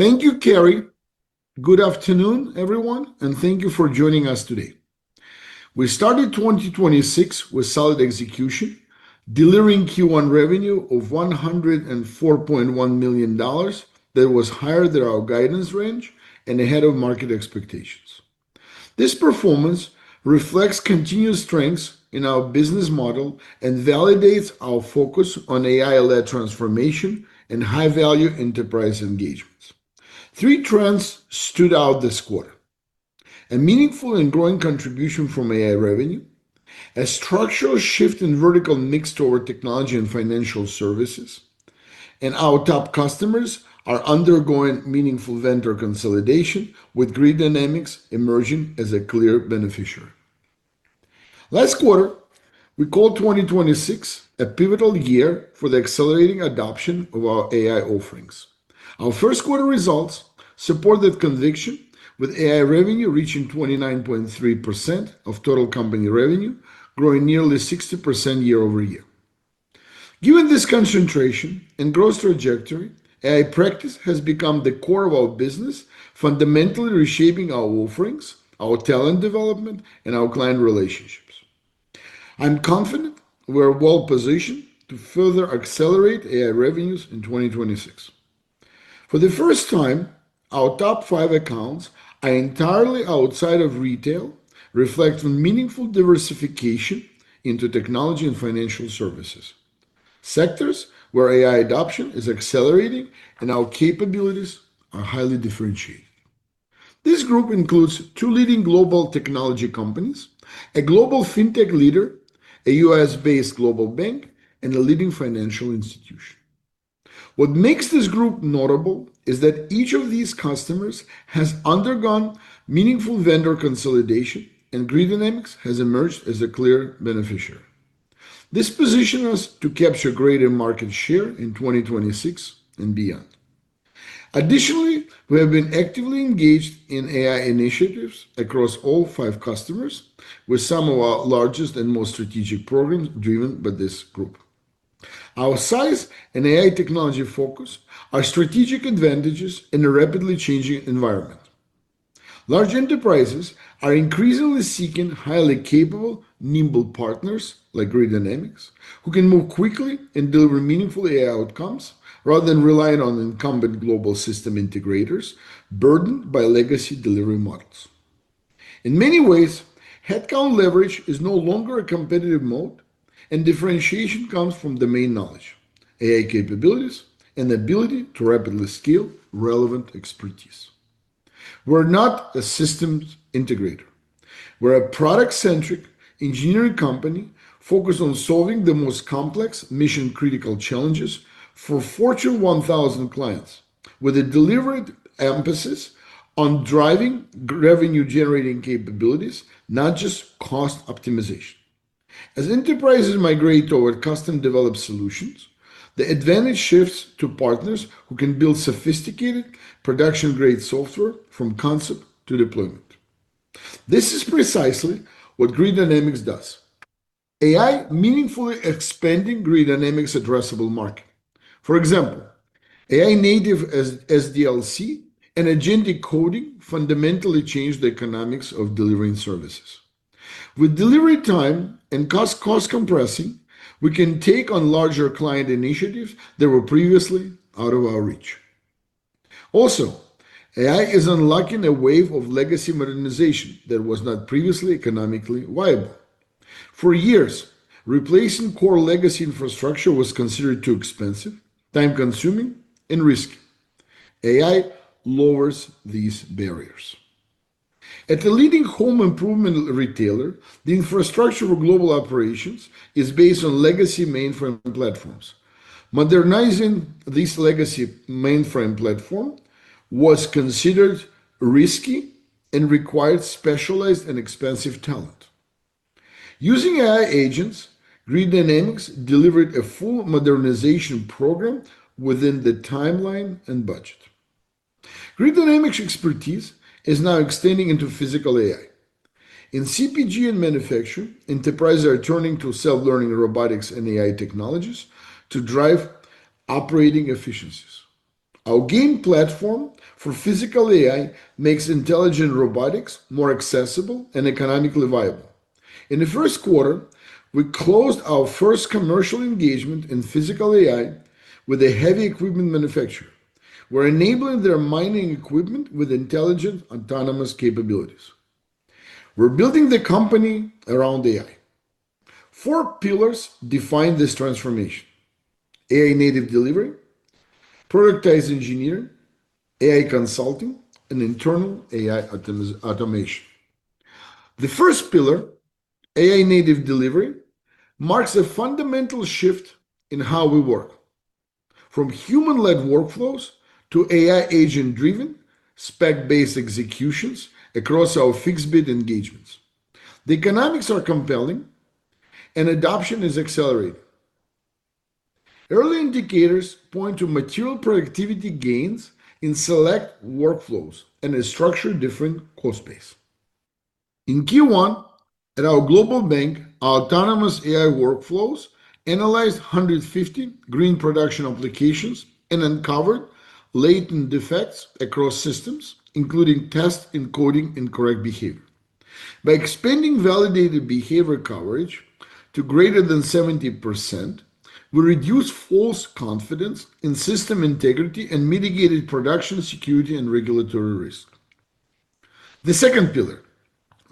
Thank you, Carrie. Good afternoon, everyone, and thank you for joining us today. We started 2026 with solid execution, delivering Q1 revenue of $104.1 million that was higher than our guidance range and ahead of market expectations. This performance reflects continued strengths in our business model and validates our focus on AI-led transformation and high-value enterprise engagements. Three trends stood out this quarter. A meaningful and growing contribution from AI revenue, a structural shift in vertical mix toward technology and financial services, and our top customers are undergoing meaningful vendor consolidation with Grid Dynamics emerging as a clear beneficiary. Last quarter, we called 2026 a pivotal year for the accelerating adoption of our AI offerings. Our Q1 results support that conviction with AI revenue reaching 29.3% of total company revenue, growing nearly 60% year-over-year. Given this concentration and growth trajectory, AI practice has become the core of our business, fundamentally reshaping our offerings, our talent development, and our client relationships. I'm confident we're well-positioned to further accelerate AI revenues in 2026. For the first time, our top five accounts are entirely outside of retail, reflecting meaningful diversification into technology and financial services, sectors where AI adoption is accelerating and our capabilities are highly differentiated. This group includes two leading global technology companies, a global fintech leader, a U.S.-based global bank, and a leading financial institution. What makes this group notable is that each of these customers has undergone meaningful vendor consolidation, and Grid Dynamics has emerged as a clear beneficiary. This positions us to capture greater market share in 2026 and beyond. Additionally, we have been actively engaged in AI initiatives across all five customers with some of our largest and most strategic programs driven by this group. Our size and AI technology focus are strategic advantages in a rapidly changing environment. Large enterprises are increasingly seeking highly capable, nimble partners like Grid Dynamics who can move quickly and deliver meaningful AI outcomes rather than relying on incumbent global system integrators burdened by legacy delivery models. In many ways, headcount leverage is no longer a competitive moat, and differentiation comes from domain knowledge, AI capabilities, and the ability to rapidly scale relevant expertise. We're not a systems integrator. We're a product-centric engineering company focused on solving the most complex mission-critical challenges for Fortune 1000 clients with a deliberate emphasis on driving revenue-generating capabilities, not just cost optimization. As enterprises migrate toward custom-developed solutions, the advantage shifts to partners who can build sophisticated production-grade software from concept to deployment. This is precisely what Grid Dynamics does. AI meaningfully expanding Grid Dynamics addressable market. For example, AI-native SDLC and agentic coding fundamentally change the economics of delivering services. With delivery time and cost compressing, we can take on larger client initiatives that were previously out of our reach. Also, AI is unlocking a wave of legacy modernization that was not previously economically viable. For years, replacing core legacy infrastructure was considered too expensive, time-consuming, and risky. AI lowers these barriers. At the leading home improvement retailer, the infrastructure of global operations is based on legacy mainframe platforms. Modernizing this legacy mainframe platform was considered risky and required specialized and expensive talent. Using AI agents, Grid Dynamics delivered a full modernization program within the timeline and budget. Grid Dynamics expertise is now extending into physical AI. In CPG and manufacturing, enterprises are turning to self-learning robotics and AI technologies to drive operating efficiencies. Our GAIN platform for physical AI makes intelligent robotics more accessible and economically viable. In the Q1, we closed our first commercial engagement in physical AI with a heavy equipment manufacturer. We're enabling their mining equipment with intelligent autonomous capabilities. We're building the company around AI. Four pillars define this transformation: AI-native delivery, productized engineering, AI consulting, and internal AI automation. The first pillar, AI-native delivery, marks a fundamental shift in how we work, from human-led workflows to AI agent-driven, spec-based executions across our fixed-bid engagements. The economics are compelling and adoption is accelerating. Early indicators point to material productivity gains in select workflows and a structured different cost base. In Q1 at our global bank, our autonomous AI workflows analyzed 150 green production applications and uncovered latent defects across systems, including test, encoding, and correct behavior. By expanding validated behavior coverage to greater than 70%, we reduced false confidence in system integrity and mitigated production security and regulatory risk. The second pillar,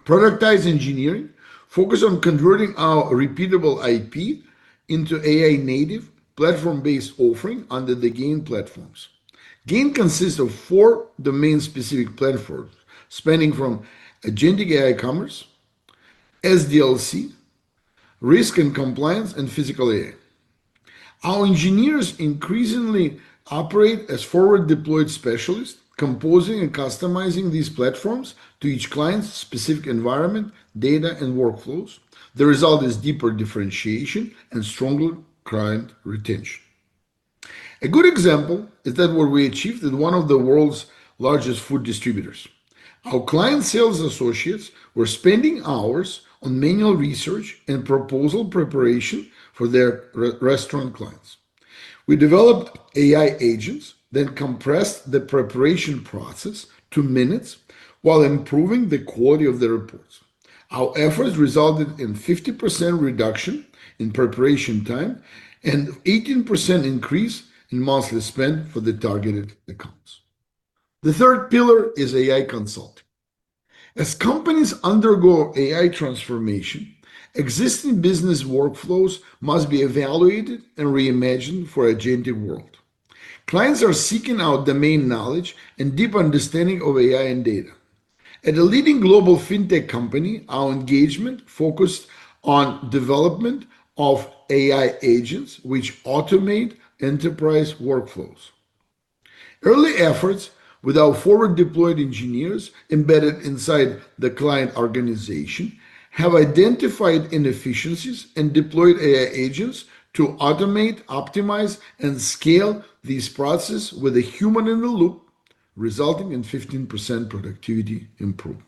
productized engineering, focus on converting our repeatable IP into AI-native platform-based offering under the GAIN platforms. GAIN consists of four domain-specific platforms spanning from agentic AI commerce, SDLC, risk and compliance, and physical AI. Our engineers increasingly operate as forward-deployed specialists, composing and customizing these platforms to each client's specific environment, data, and workflows. The result is deeper differentiation and stronger client retention. A good example is that what we achieved at one of the world's largest food distributors. Our client sales associates were spending hours on manual research and proposal preparation for their re- restaurant clients. We developed AI agents that compressed the preparation process to minutes while improving the quality of the reports. Our efforts resulted in 50% reduction in preparation time and 18% increase in monthly spend for the targeted accounts. The third pillar is AI consulting. As companies undergo AI transformation, existing business workflows must be evaluated and reimagined for agentic world. Clients are seeking out domain knowledge and deeper understanding of AI and data. At a leading global fintech company, our engagement focused on development of AI agents which automate enterprise workflows. Early efforts with our forward-deployed engineers embedded inside the client organization have identified inefficiencies and deployed AI agents to automate, optimize, and scale these processes with a human in the loop, resulting in 15% productivity improvement.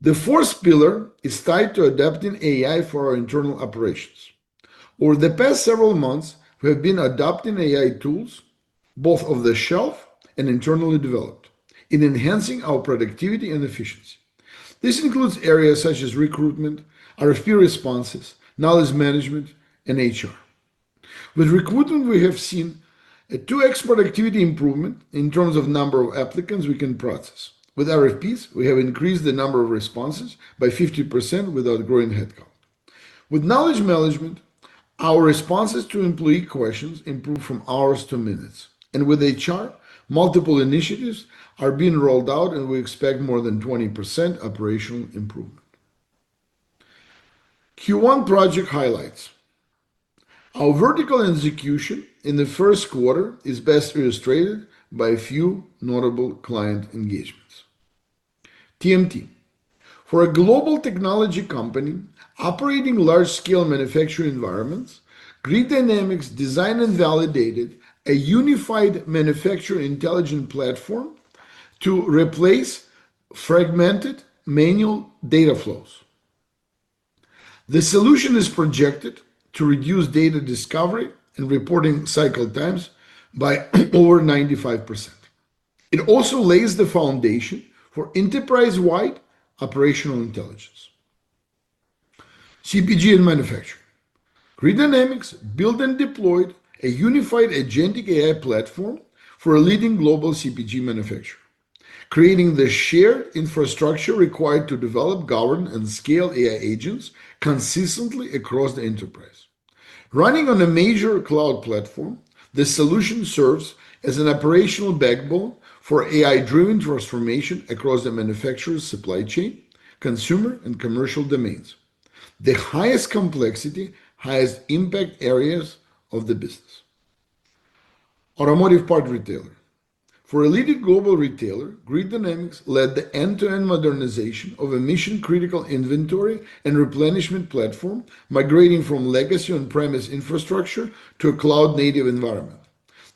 The fourth pillar is tied to adapting AI for our internal operations. Over the past several months, we have been adopting AI tools, both off-the-shelf and internally developed, in enhancing our productivity and efficiency. This includes areas such as recruitment, RFP responses, knowledge management, and HR. With recruitment, we have seen a 2x productivity improvement in terms of number of applicants we can process. With RFPs, we have increased the number of responses by 50% without growing headcount. With knowledge management, our responses to employee questions improved from hours to minutes. With HR, multiple initiatives are being rolled out, and we expect more than 20% operational improvement. Q1 project highlights. Our vertical execution in the Q1 is best illustrated by a few notable client engagements. TMT. For a global technology company operating large-scale manufacturing environments, Grid Dynamics designed and validated a unified manufacturer intelligent platform to replace fragmented manual data flows. The solution is projected to reduce data discovery and reporting cycle times by over 95%. It also lays the foundation for enterprise-wide operational intelligence. CPG and manufacturing. Grid Dynamics built and deployed a unified agentic AI platform for a leading global CPG manufacturer, creating the shared infrastructure required to develop, govern, and scale AI agents consistently across the enterprise. Running on a major cloud platform, the solution serves as an operational backbone for AI-driven transformation across the manufacturer's supply chain, consumer, and commercial domains, the highest complexity, highest impact areas of the business. Automotive part retailer. For a leading global retailer, Grid Dynamics led the end-to-end modernization of a mission-critical inventory and replenishment platform, migrating from legacy on-premise infrastructure to a cloud-native environment.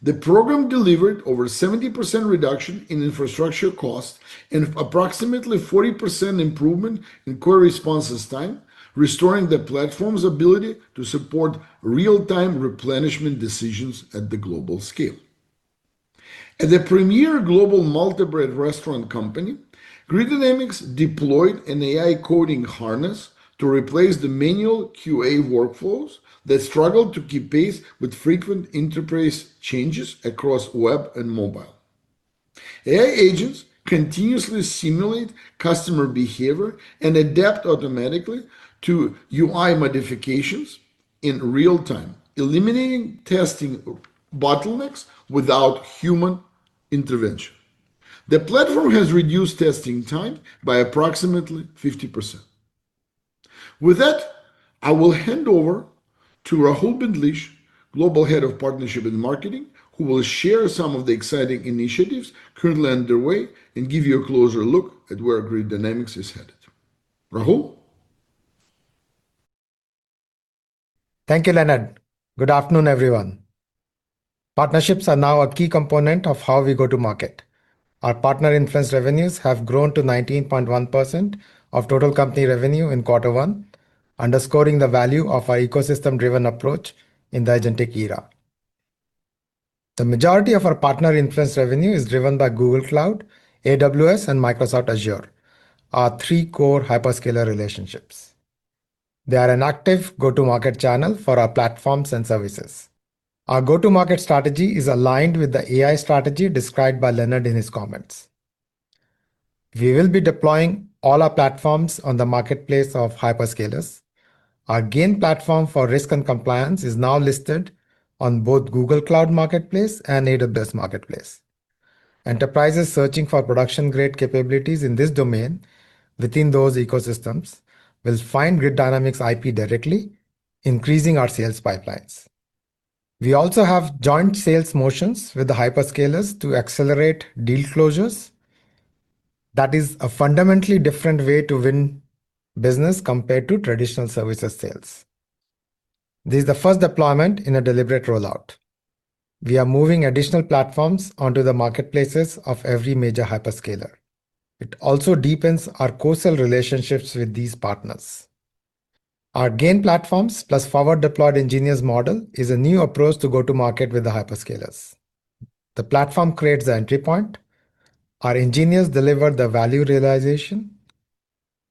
The program delivered over 70% reduction in infrastructure cost and approximately 40% improvement in query responses time, restoring the platform's ability to support real-time replenishment decisions at the global scale. At a premier global multi-brand restaurant company, Grid Dynamics deployed an AI coding harness to replace the manual QA workflows that struggled to keep pace with frequent enterprise changes across web and mobile. AI agents continuously simulate customer behavior and adapt automatically to UI modifications in real time, eliminating testing bottlenecks without human intervention. The platform has reduced testing time by approximately 50%. With that, I will hand over to Rahul Bindlish, Global Head of Partnerships and Marketing, who will share some of the exciting initiatives currently underway and give you a closer look at where Grid Dynamics is headed. Rahul? Thank you, Leonard. Good afternoon, everyone. Partnerships are now a key component of how we go to market. Our partner influence revenues have grown to 19.1% of total company revenue in Q1, underscoring the value of our ecosystem-driven approach in the agentic era. The majority of our partner influence revenue is driven by Google Cloud, AWS, and Microsoft Azure, our three core hyperscaler relationships. They are an active go-to-market channel for our platforms and services. Our go-to-market strategy is aligned with the AI strategy described by Leonard in his comments. We will be deploying all our platforms on the marketplace of hyperscalers. Our GAIN platform for risk and compliance is now listed on both Google Cloud Marketplace and AWS Marketplace. Enterprises searching for production-grade capabilities in this domain within those ecosystems will find Grid Dynamics IP directly, increasing our sales pipelines. We also have joint sales motions with the hyperscalers to accelerate deal closures. That is a fundamentally different way to win business compared to traditional services sales. This is the first deployment in a deliberate rollout. We are moving additional platforms onto the marketplaces of every major hyperscaler. It also deepens our co-sell relationships with these partners. Our GAIN platforms plus forward-deployed engineers model is a new approach to go to market with the hyperscalers. The platform creates the entry point. Our engineers deliver the value realization.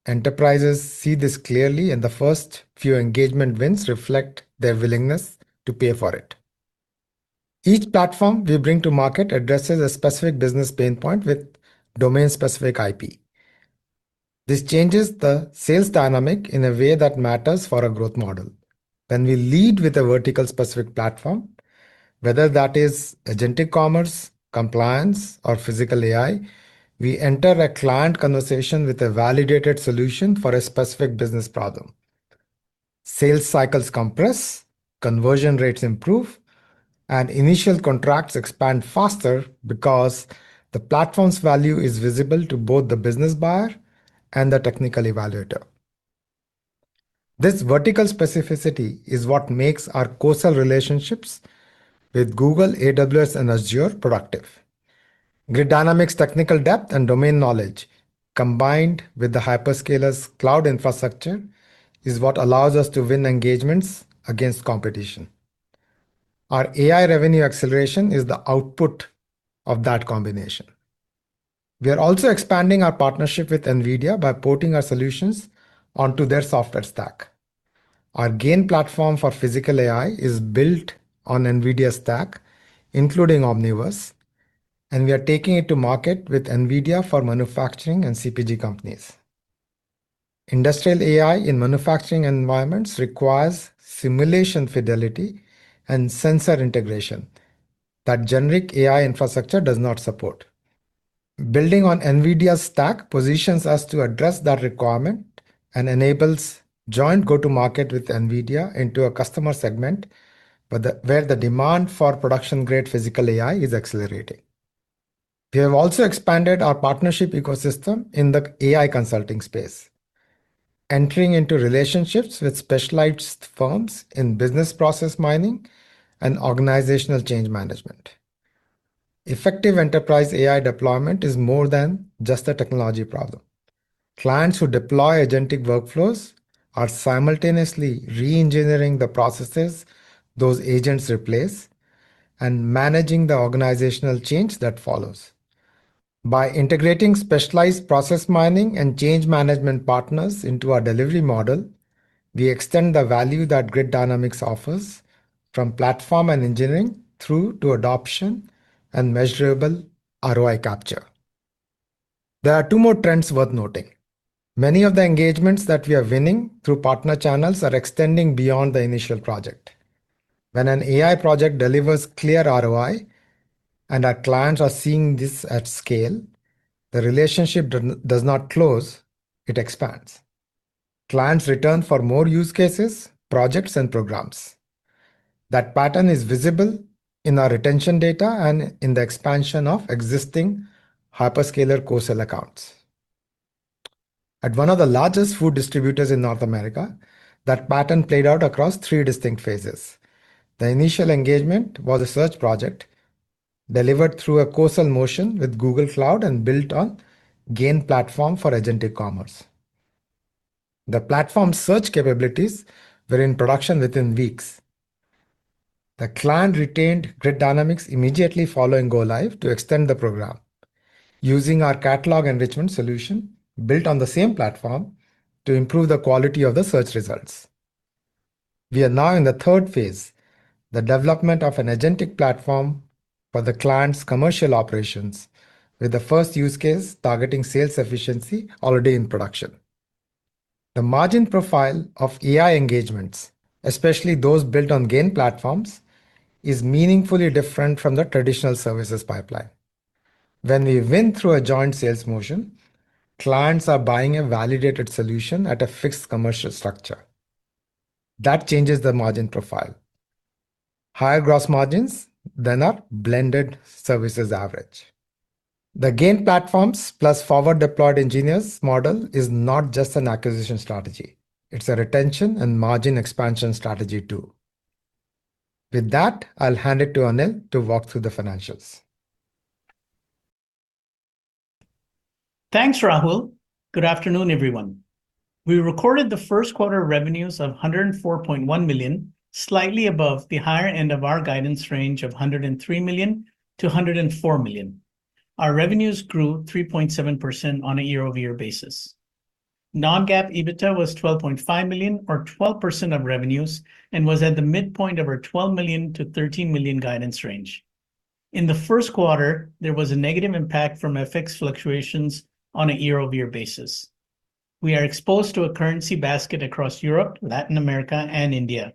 Enterprises see this clearly, and the first few engagement wins reflect their willingness to pay for it. Each platform we bring to market addresses a specific business pain point with domain-specific IP. This changes the sales dynamic in a way that matters for our growth model. When we lead with a vertical specific platform, whether that is agentic commerce, compliance, or physical AI, we enter a client conversation with a validated solution for a specific business problem. Sales cycles compress, conversion rates improve, and initial contracts expand faster because the platform's value is visible to both the business buyer and the technical evaluator. This vertical specificity is what makes our co-sell relationships with Google, AWS, and Azure productive. Grid Dynamics technical depth and domain knowledge, combined with the hyperscalers cloud infrastructure, is what allows us to win engagements against competition. Our AI revenue acceleration is the output of that combination. We are also expanding our partnership with NVIDIA by porting our solutions onto their software stack. Our GAIN platform for physical AI is built on NVIDIA stack, including Omniverse, and we are taking it to market with NVIDIA for manufacturing and CPG companies. Industrial AI in manufacturing environments requires simulation fidelity and sensor integration that generic AI infrastructure does not support. Building on NVIDIA's stack positions us to address that requirement and enables joint go-to-market with NVIDIA into a customer segment where the demand for production-grade physical AI is accelerating. We have also expanded our partnership ecosystem in the AI consulting space, entering into relationships with specialized firms in business process mining and organizational change management. Effective enterprise AI deployment is more than just a technology problem. Clients who deploy agentic workflows are simultaneously re-engineering the processes those agents replace and managing the organizational change that follows. By integrating specialized process mining and change management partners into our delivery model, we extend the value that Grid Dynamics offers from platform and engineering through to adoption and measurable ROI capture. There are two more trends worth noting. Many of the engagements that we are winning through partner channels are extending beyond the initial project. When an AI project delivers clear ROI, and our clients are seeing this at scale, the relationship does not close, it expands. Clients return for more use cases, projects, and programs. That pattern is visible in our retention data and in the expansion of existing hyperscaler co-sell accounts. At one of the largest food distributors in North America, that pattern played out across three distinct phases. The initial engagement was a search project delivered through a co-sell motion with Google Cloud and built on GAIN platform for agentic commerce. The platform's search capabilities were in production within weeks. The client retained Grid Dynamics immediately following go-live to extend the program, using our catalog enrichment solution built on the same platform to improve the quality of the search results. We are now in the phase III, the development of an agentic platform for the client's commercial operations, with the first use case targeting sales efficiency already in production. The margin profile of AI engagements, especially those built on GAIN platforms, is meaningfully different from the traditional services pipeline. When we win through a joint sales motion, clients are buying a validated solution at a fixed commercial structure. That changes the margin profile. Higher gross margins than our blended services average. The GAIN platforms plus forward deployed engineers model is not just an acquisition strategy. It's a retention and margin expansion strategy too. With that, I'll hand it to Anil to walk through the financials. Thanks, Rahul. Good afternoon, everyone. We recorded the Q1 revenues of $104.1 million, slightly above the higher end of our guidance range of $103 million-$104 million. Our revenues grew 3.7% on a year-over-year basis. Non-GAAP EBITDA was $12.5 million or 12% of revenues and was at the midpoint of our $12 million-$13 million guidance range. In the Q1, there was a negative impact from FX fluctuations on a year-over-year basis. We are exposed to a currency basket across Europe, Latin America, and India.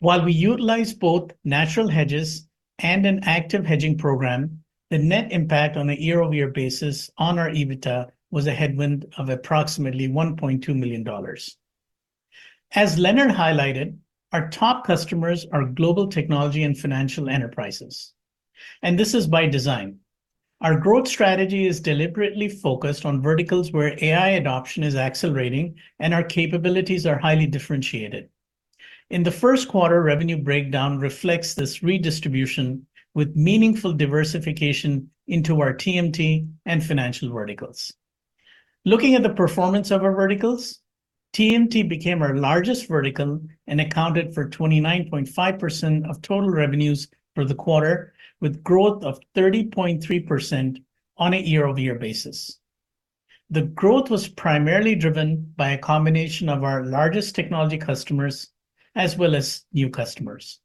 While we utilize both natural hedges and an active hedging program, the net impact on a year-over-year basis on our EBITDA was a headwind of approximately $1.2 million. As Leonard highlighted, our top customers are global technology and financial enterprises. This is by design. Our growth strategy is deliberately focused on verticals where AI adoption is accelerating and our capabilities are highly differentiated. In the Q1, revenue breakdown reflects this redistribution with meaningful diversification into our TMT and financial verticals. Looking at the performance of our verticals, TMT became our largest vertical and accounted for 29.5% of total revenues for the quarter, with growth of 30.3% on a year-over-year basis. The growth was primarily driven by a combination of our largest technology customers as well as new customers.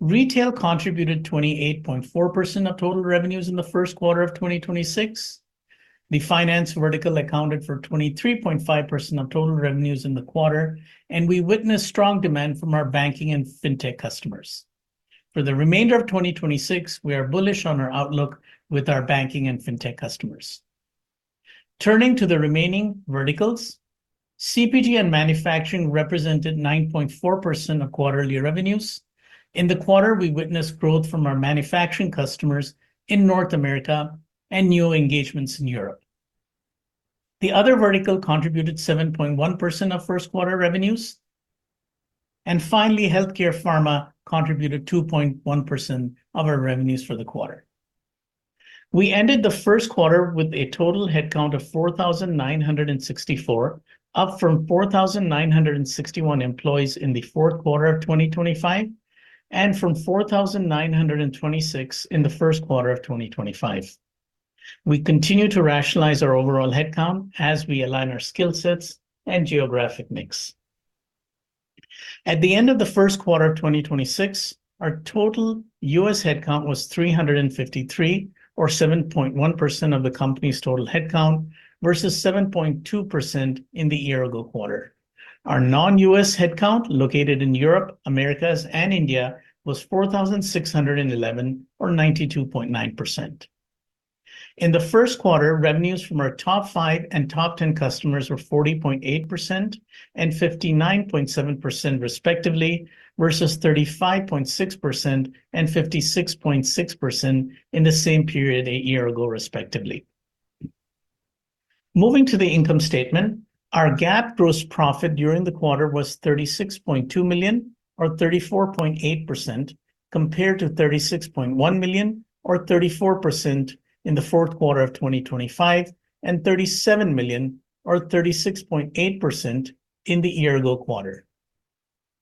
Retail contributed 28.4% of total revenues in the Q1 2026. The finance vertical accounted for 23.5% of total revenues in the quarter, and we witnessed strong demand from our banking and fintech customers. For the remainder of 2026, we are bullish on our outlook with our banking and fintech customers. Turning to the remaining verticals, CPG and manufacturing represented 9.4% of quarterly revenues. In the quarter, we witnessed growth from our manufacturing customers in North America and new engagements in Europe. The other vertical contributed 7.1% of Q1 revenues. Finally, healthcare pharma contributed 2.1% of our revenues for the quarter. We ended the Q1 with a total headcount of 4,964, up from 4,961 employees in the Q4 of 2025, and from 4,926 in the Q1 2025. We continue to rationalize our overall headcount as we align our skill sets and geographic mix. At the end of the Q1 2026, our total U.S. headcount was 353, or 7.1% of the company's total headcount, versus 7.2% in the year ago quarter. Our non-U.S. headcount, located in Europe, Americas, and India, was 4,611, or 92.9%. In the Q1, revenues from our top five and top 10 customers were 40.8% and 59.7% respectively versus 35.6% and 56.6% in the same period a year ago, respectively. Moving to the income statement, our GAAP gross profit during the quarter was $36.2 million or 34.8% compared to $36.1 million or 34% in the Q4 2025, and $37 million or 36.8% in the year ago quarter.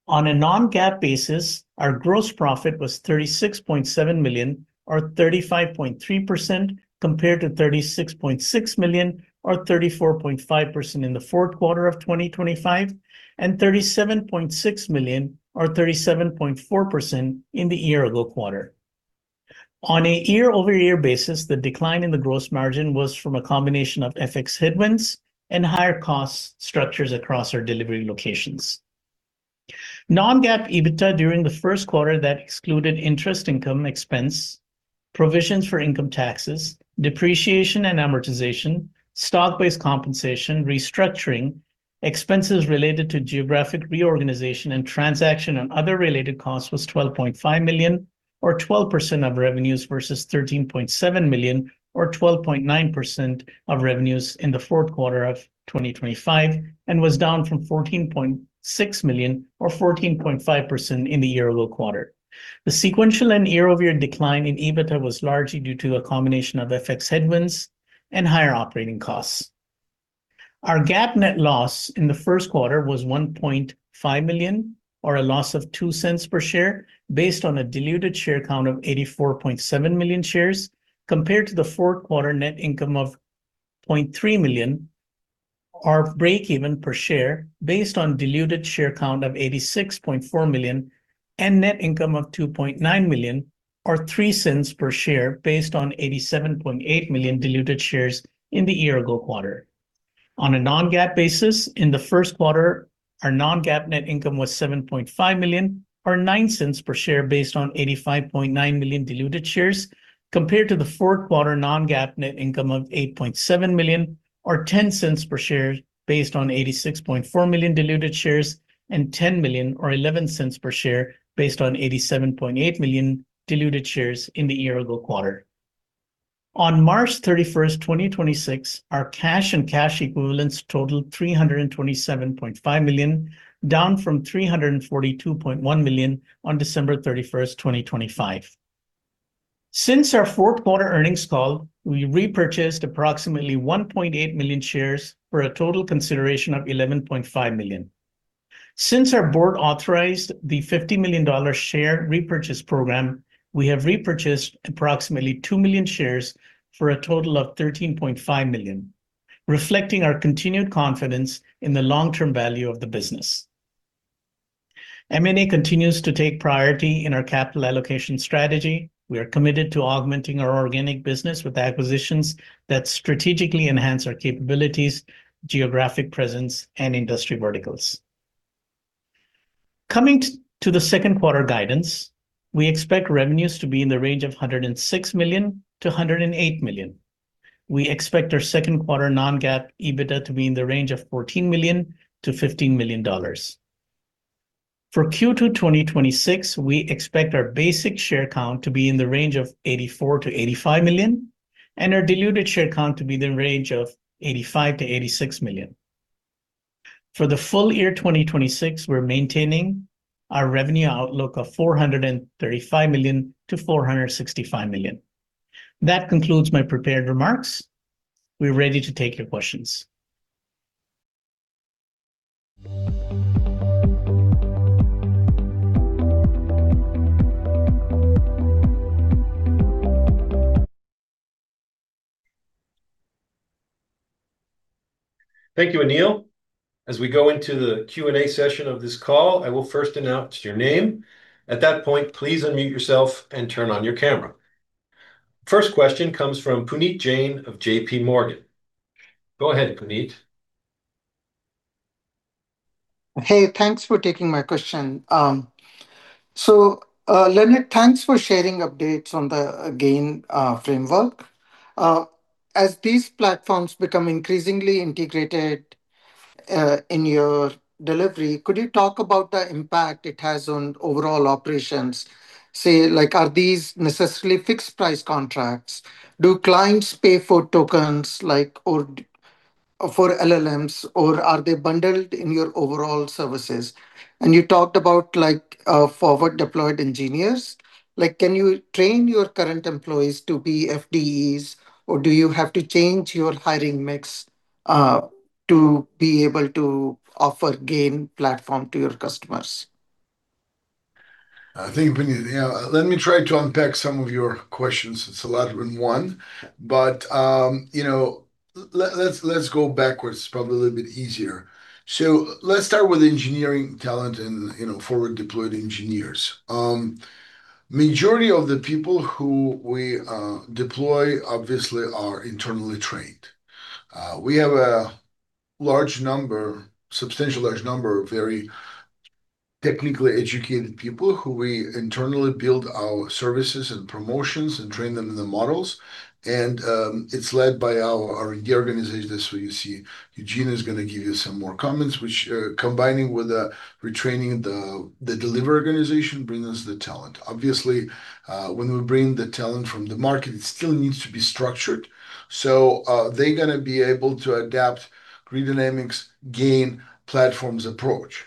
On a non-GAAP basis, our gross profit was $36.7 million or 35.3% compared to $36.6 million or 34.5% in the Q4 of 2025, and $37.6 million or 37.4% in the year ago quarter. On a year-over-year basis, the decline in the gross margin was from a combination of FX headwinds and higher cost structures across our delivery locations. Non-GAAP EBITDA during the Q1 that excluded interest income expense, provisions for income taxes, depreciation and amortization, stock-based compensation, restructuring, expenses related to geographic reorganization and transaction and other related costs was $12.5 million, or 12% of revenues versus $13.7 million or 12.9% of revenues in the Q4 of 2025 and was down from $14.6 million or 14.5% in the year ago quarter. The sequential and year-over-year decline in EBITDA was largely due to a combination of FX headwinds and higher operating costs. Our GAAP net loss in the Q1 was $1.5 million or a loss of $0.02 per share based on a diluted share count of 84.7 million shares compared to the Q4 net income of $0.3 million, our break-even per share based on diluted share count of 86.4 million and net income of $2.9 million or $0.03 per share based on 87.8 million diluted shares in the year ago quarter. On a non-GAAP basis, in the Q1, our non-GAAP net income was $7.5 million or $0.09 per share based on 85.9 million diluted shares compared to the Q4 non-GAAP net income of $8.7 million or $0.10 per share based on 86.4 million diluted shares, and $10 million or $0.11 per share based on 87.8 million diluted shares in the year ago quarter. On March 31, 2026, our cash and cash equivalents totaled $327.5 million, down from $342.1 million on December 31, 2025. Since our Q4 earnings call, we repurchased approximately 1.8 million shares for a total consideration of $11.5 million. Since our board authorized the $50 million share repurchase program, we have repurchased approximately 2 million shares for a total of $13.5 million, reflecting our continued confidence in the long-term value of the business. M&A continues to take priority in our capital allocation strategy. We are committed to augmenting our organic business with acquisitions that strategically enhance our capabilities, geographic presence, and industry verticals. Coming to the second quarter guidance, we expect revenues to be in the range of $106 million-$108 million. We expect our second quarter non-GAAP EBITDA to be in the range of $14 million-$15 million. For Q2 2026, we expect our basic share count to be in the range of 84 million-85 million, and our diluted share count to be in the range of 85 million-86 million. For the full year 2026, we're maintaining our revenue outlook of $435 million-$465 million. That concludes my prepared remarks. We're ready to take your questions. Thank you, Anil. As we go into the Q&A session of this call, I will first announce your name. At that point, please unmute yourself and turn on your camera. First question comes from Puneet Jain of JPMorgan. Go ahead, Puneet. Hey, thanks for taking my question. Leonard, thanks for sharing updates on the GAIN framework. As these platforms become increasingly integrated in your delivery, could you talk about the impact it has on overall operations? Say, like, are these necessarily fixed price contracts? Do clients pay for tokens, like, or for LLMs, or are they bundled in your overall services? You talked about like, forward deployed engineers, like, can you train your current employees to be FDEs, or do you have to change your hiring mix to be able to offer GAIN platform to your customers? I think Puneet, yeah, let me try to unpack some of your questions. It's a lot in one. You know, let's go backwards, it's probably a little bit easier. Let's start with engineering talent and, you know, forward deployed engineers. Majority of the people who we deploy obviously are internally trained. We have a substantial large number of very technically educated people who we internally build our services and promotions and train them in the models. It's led by our R&D organization. That's why you see Eugene is gonna give you some more comments, which combining with the retraining the delivery organization bring us the talent. Obviously, when we bring the talent from the market, it still needs to be structured. They're gonna be able to adapt Grid Dynamics GAIN platform's approach.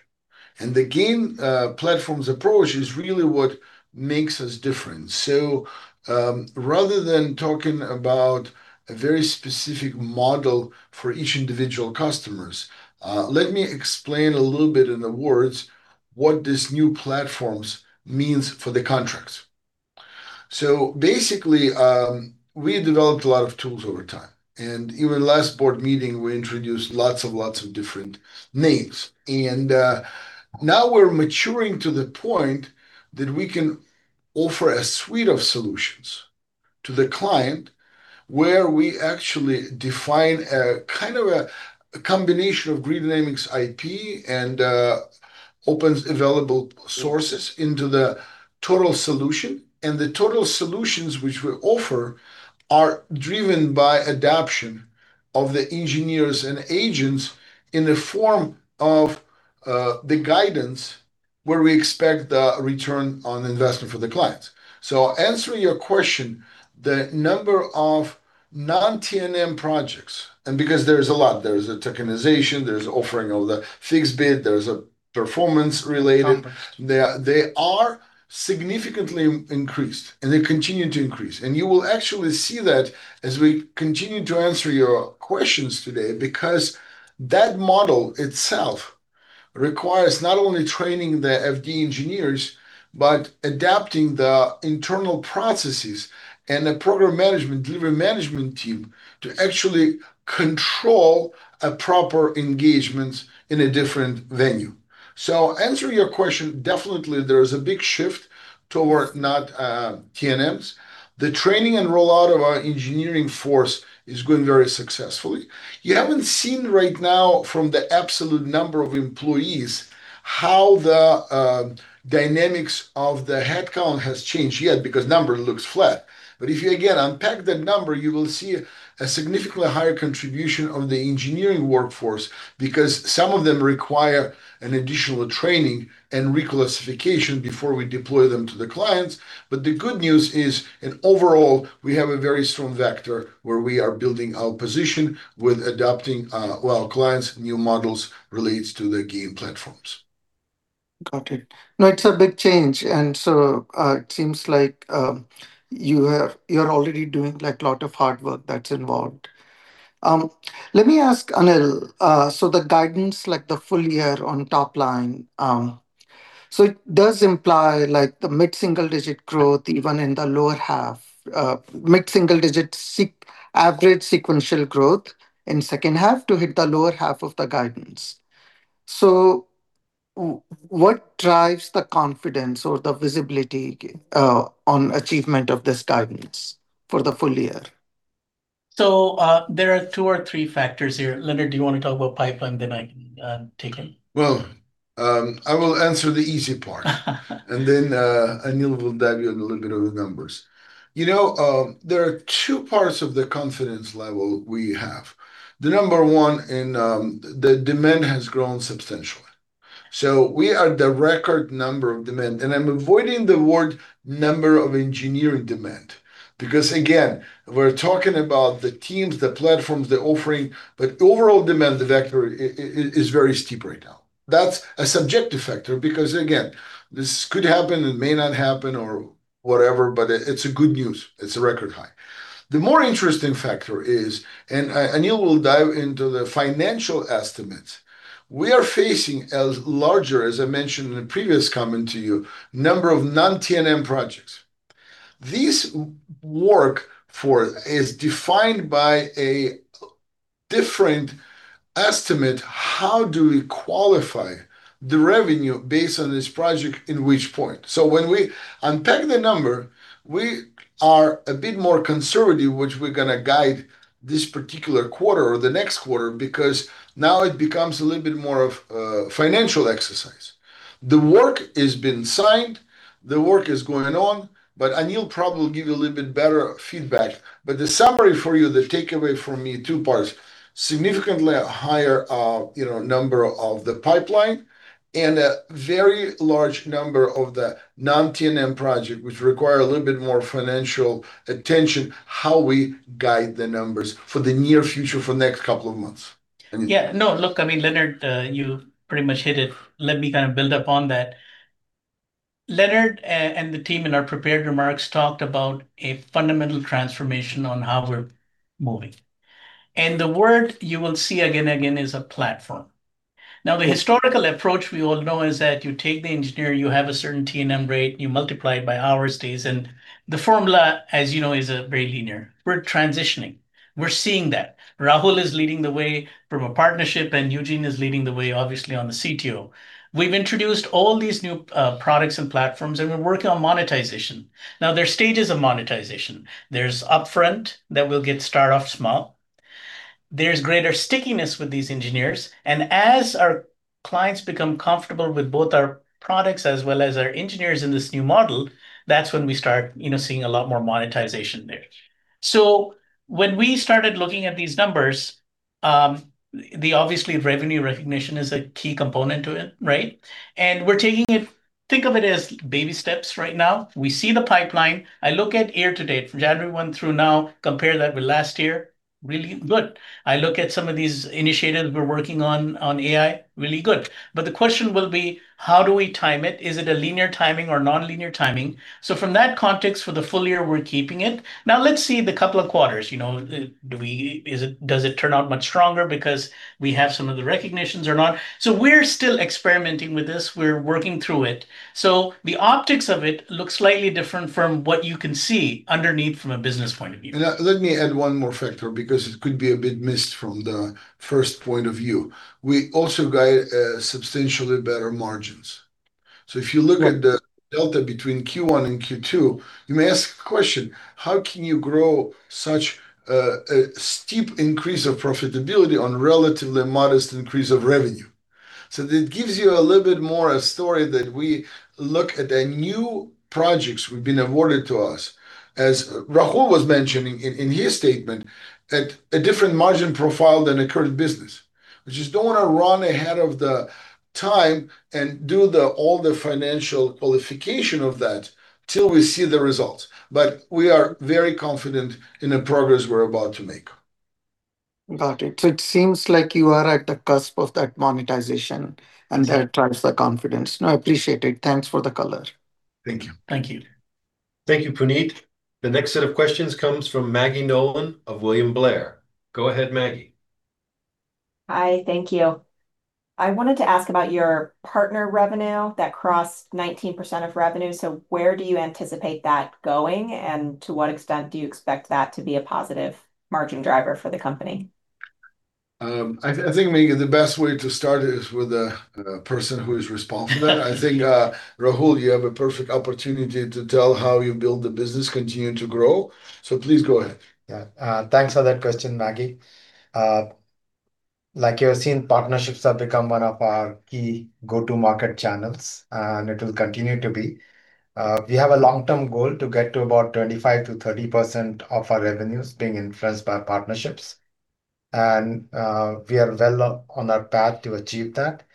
The GAIN platform's approach is really what makes us different. Rather than talking about a very specific model for each individual customers, let me explain a little bit in the words what this new platforms means for the contracts. Basically, we developed a lot of tools over time, and even last board meeting we introduced lots and lots of different names. Now we're maturing to the point that we can offer a suite of solutions to the client, where we actually define a kind of a combination of Grid Dynamics IP and opens available sources into the total solution. The total solutions which we offer are driven by adoption of the engineers and agents in the form of the guidance where we expect the return on investment for the clients. Answering your question, the number of non-T&M projects, because there's a lot, there's a tokenization, there's offering of the fixed bid. Performance they are significantly increased, and they continue to increase. You will actually see that as we continue to answer your questions today, because that model itself requires not only training the FD engineers, but adapting the internal processes and the program management, delivery management team to actually control a proper engagement in a different venue. Answering your question, definitely there is a big shift toward not T&Ms. The training and rollout of our engineering force is going very successfully. You haven't seen right now from the absolute number of employees how the dynamics of the headcount has changed yet because number looks flat. If you, again, unpack the number, you will see a significantly higher contribution of the engineering workforce because some of them require an additional training and reclassification before we deploy them to the clients. The good news is, overall, we have a very strong vector where we are building our position with adopting, well, clients' new models relates to the GAIN platforms. Got it. No, it's a big change. It seems like you're already doing, like, lot of hard work that's involved. Let me ask Anil. The guidance, like the full-year on top line, so it does imply, like, the mid-single digit growth even in the lower half, mid-single digits average sequential growth in H2 to hit the lower half of the guidance. What drives the confidence or the visibility on achievement of this guidance for the full-year? There are two or three factors here. Leonard, do you wanna talk about pipeline, then I can take it? Well, I will answer the easy part. Then Anil will dive in a little bit of the numbers. You know, there are two parts of the confidence level we have. The number one, and the demand has grown substantially. We are the record number of demand, and I'm avoiding the word number of engineering demand because, again, we're talking about the teams, the platforms, the offering, but overall demand, the vector is very steep right now. That's a subjective factor because, again, this could happen, it may not happen or whatever, but it's a good news. It's a record high. The more interesting factor is, and Anil will dive into the financial estimates, we are facing a larger, as I mentioned in a previous comment to you, number of non-T&M projects. This work for is defined by a different estimate, how do we qualify the revenue based on this project, in which point? So when we unpack the number, we are a bit more conservative, which we're gonna guide this particular quarter or the next quarter because now it becomes a little bit more of a financial exercise. The work has been signed, the work is going on, but Anil probably give you a little bit better feedback. But the summary for you, the takeaway from me, two parts, significantly higher, you know, number of the pipeline, and a very large number of the non-T&M project which require a little bit more financial attention how we guide the numbers for the near future, for next couple of months. I mean Yeah. No, look, I mean, Leonard, you pretty much hit it. Let me kind of build up on that. Leonard and the team in our prepared remarks talked about a fundamental transformation on how we're moving, and the word you will see again is a platform. The historical approach we all know is that you take the engineer, you have a certain T&M rate, you multiply it by hours, days, and the formula, as you know, is very linear. We're transitioning. We're seeing that. Rahul is leading the way from a partnership. Eugene is leading the way obviously on the CTO. We've introduced all these new products and platforms. We're working on monetization. There are stages of monetization. There's upfront that we'll get start off small. There's greater stickiness with these engineers. As our clients become comfortable with both our products as well as our engineers in this new model, that's when we start, you know, seeing a lot more monetization there. When we started looking at these numbers, obviously revenue recognition is a key component to it, right? We're taking it, think of it as baby steps right now. We see the pipeline. I look at year-to-date from January 1 through now, compare that with last year, really good. I look at some of these initiatives we're working on AI, really good. The question will be, how do we time it? Is it a linear timing or non-linear timing? From that context, for the full year, we're keeping it. Now let's see the couple of quarters. You know. Does it turn out much stronger because we have some of the recognitions or not? We're still experimenting with this. We're working through it. The optics of it looks slightly different from what you can see underneath from a business point of view. Let me add one more factor because it could be a bit missed from the first point of view. We also guide substantially better margins. If you look at the delta between Q1 and Q2, you may ask a question, how can you grow such a steep increase of profitability on relatively modest increase of revenue? That gives you a little bit more a story that we look at the new projects we've been awarded to us, as Rahul was mentioning in his statement, at a different margin profile than a current business. We just don't wanna run ahead of the time and do all the financial qualification of that till we see the results. We are very confident in the progress we're about to make. Got it. It seems like you are at the cusp of that monetization, and that drives the confidence. No, I appreciate it. Thanks for the color. Thank you. Thank you. Thank you, Puneet. The next set of questions comes from Maggie Nolan of William Blair. Go ahead, Maggie. Hi. Thank you. I wanted to ask about your partner revenue that crossed 19% of revenue. Where do you anticipate that going, and to what extent do you expect that to be a positive margin driver for the company? I think, Maggie Nolan, the best way to start is with the person who is responsible. I think, Rahul Bindlish, you have a perfect opportunity to tell how you build the business continue to grow. Please go ahead. Yeah. Thanks for that question, Maggie. Like you have seen, partnerships have become one of our key go-to market channels, and it'll continue to be. We have a long-term goal to get to about 25%-30% of our revenues being influenced by partnerships, we are well on our path to achieve that.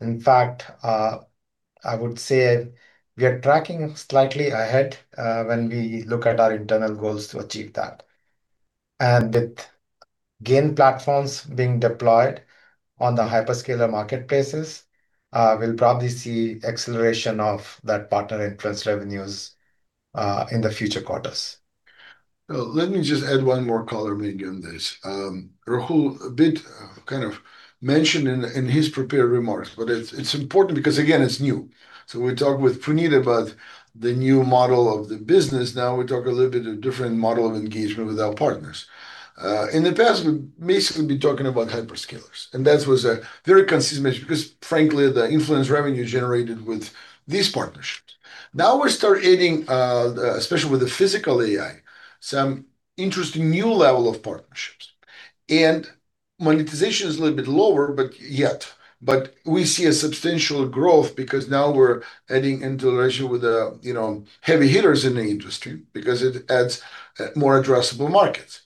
In fact, I would say we are tracking slightly ahead when we look at our internal goals to achieve that. With GAIN platforms being deployed on the hyperscaler marketplaces, we'll probably see acceleration of that partner influence revenues in the future quarters. Let me just add one more color, Maggie, on this. Rahul a bit, kind of mentioned in his prepared remarks, but it's important because, again, it's new. We talked with Puneet about the new model of the business, now we talk a little bit a different model of engagement with our partners. In the past we'd basically be talking about hyperscalers, and that was a very consistent measure because, frankly, the influence revenue generated with these partnerships. Now we start adding, especially with the physical AI, some interesting new level of partnerships. Monetization is a little bit lower, Yet, but we see a substantial growth because now we're adding into a relationship with the, you know, heavy hitters in the industry because it adds more addressable markets.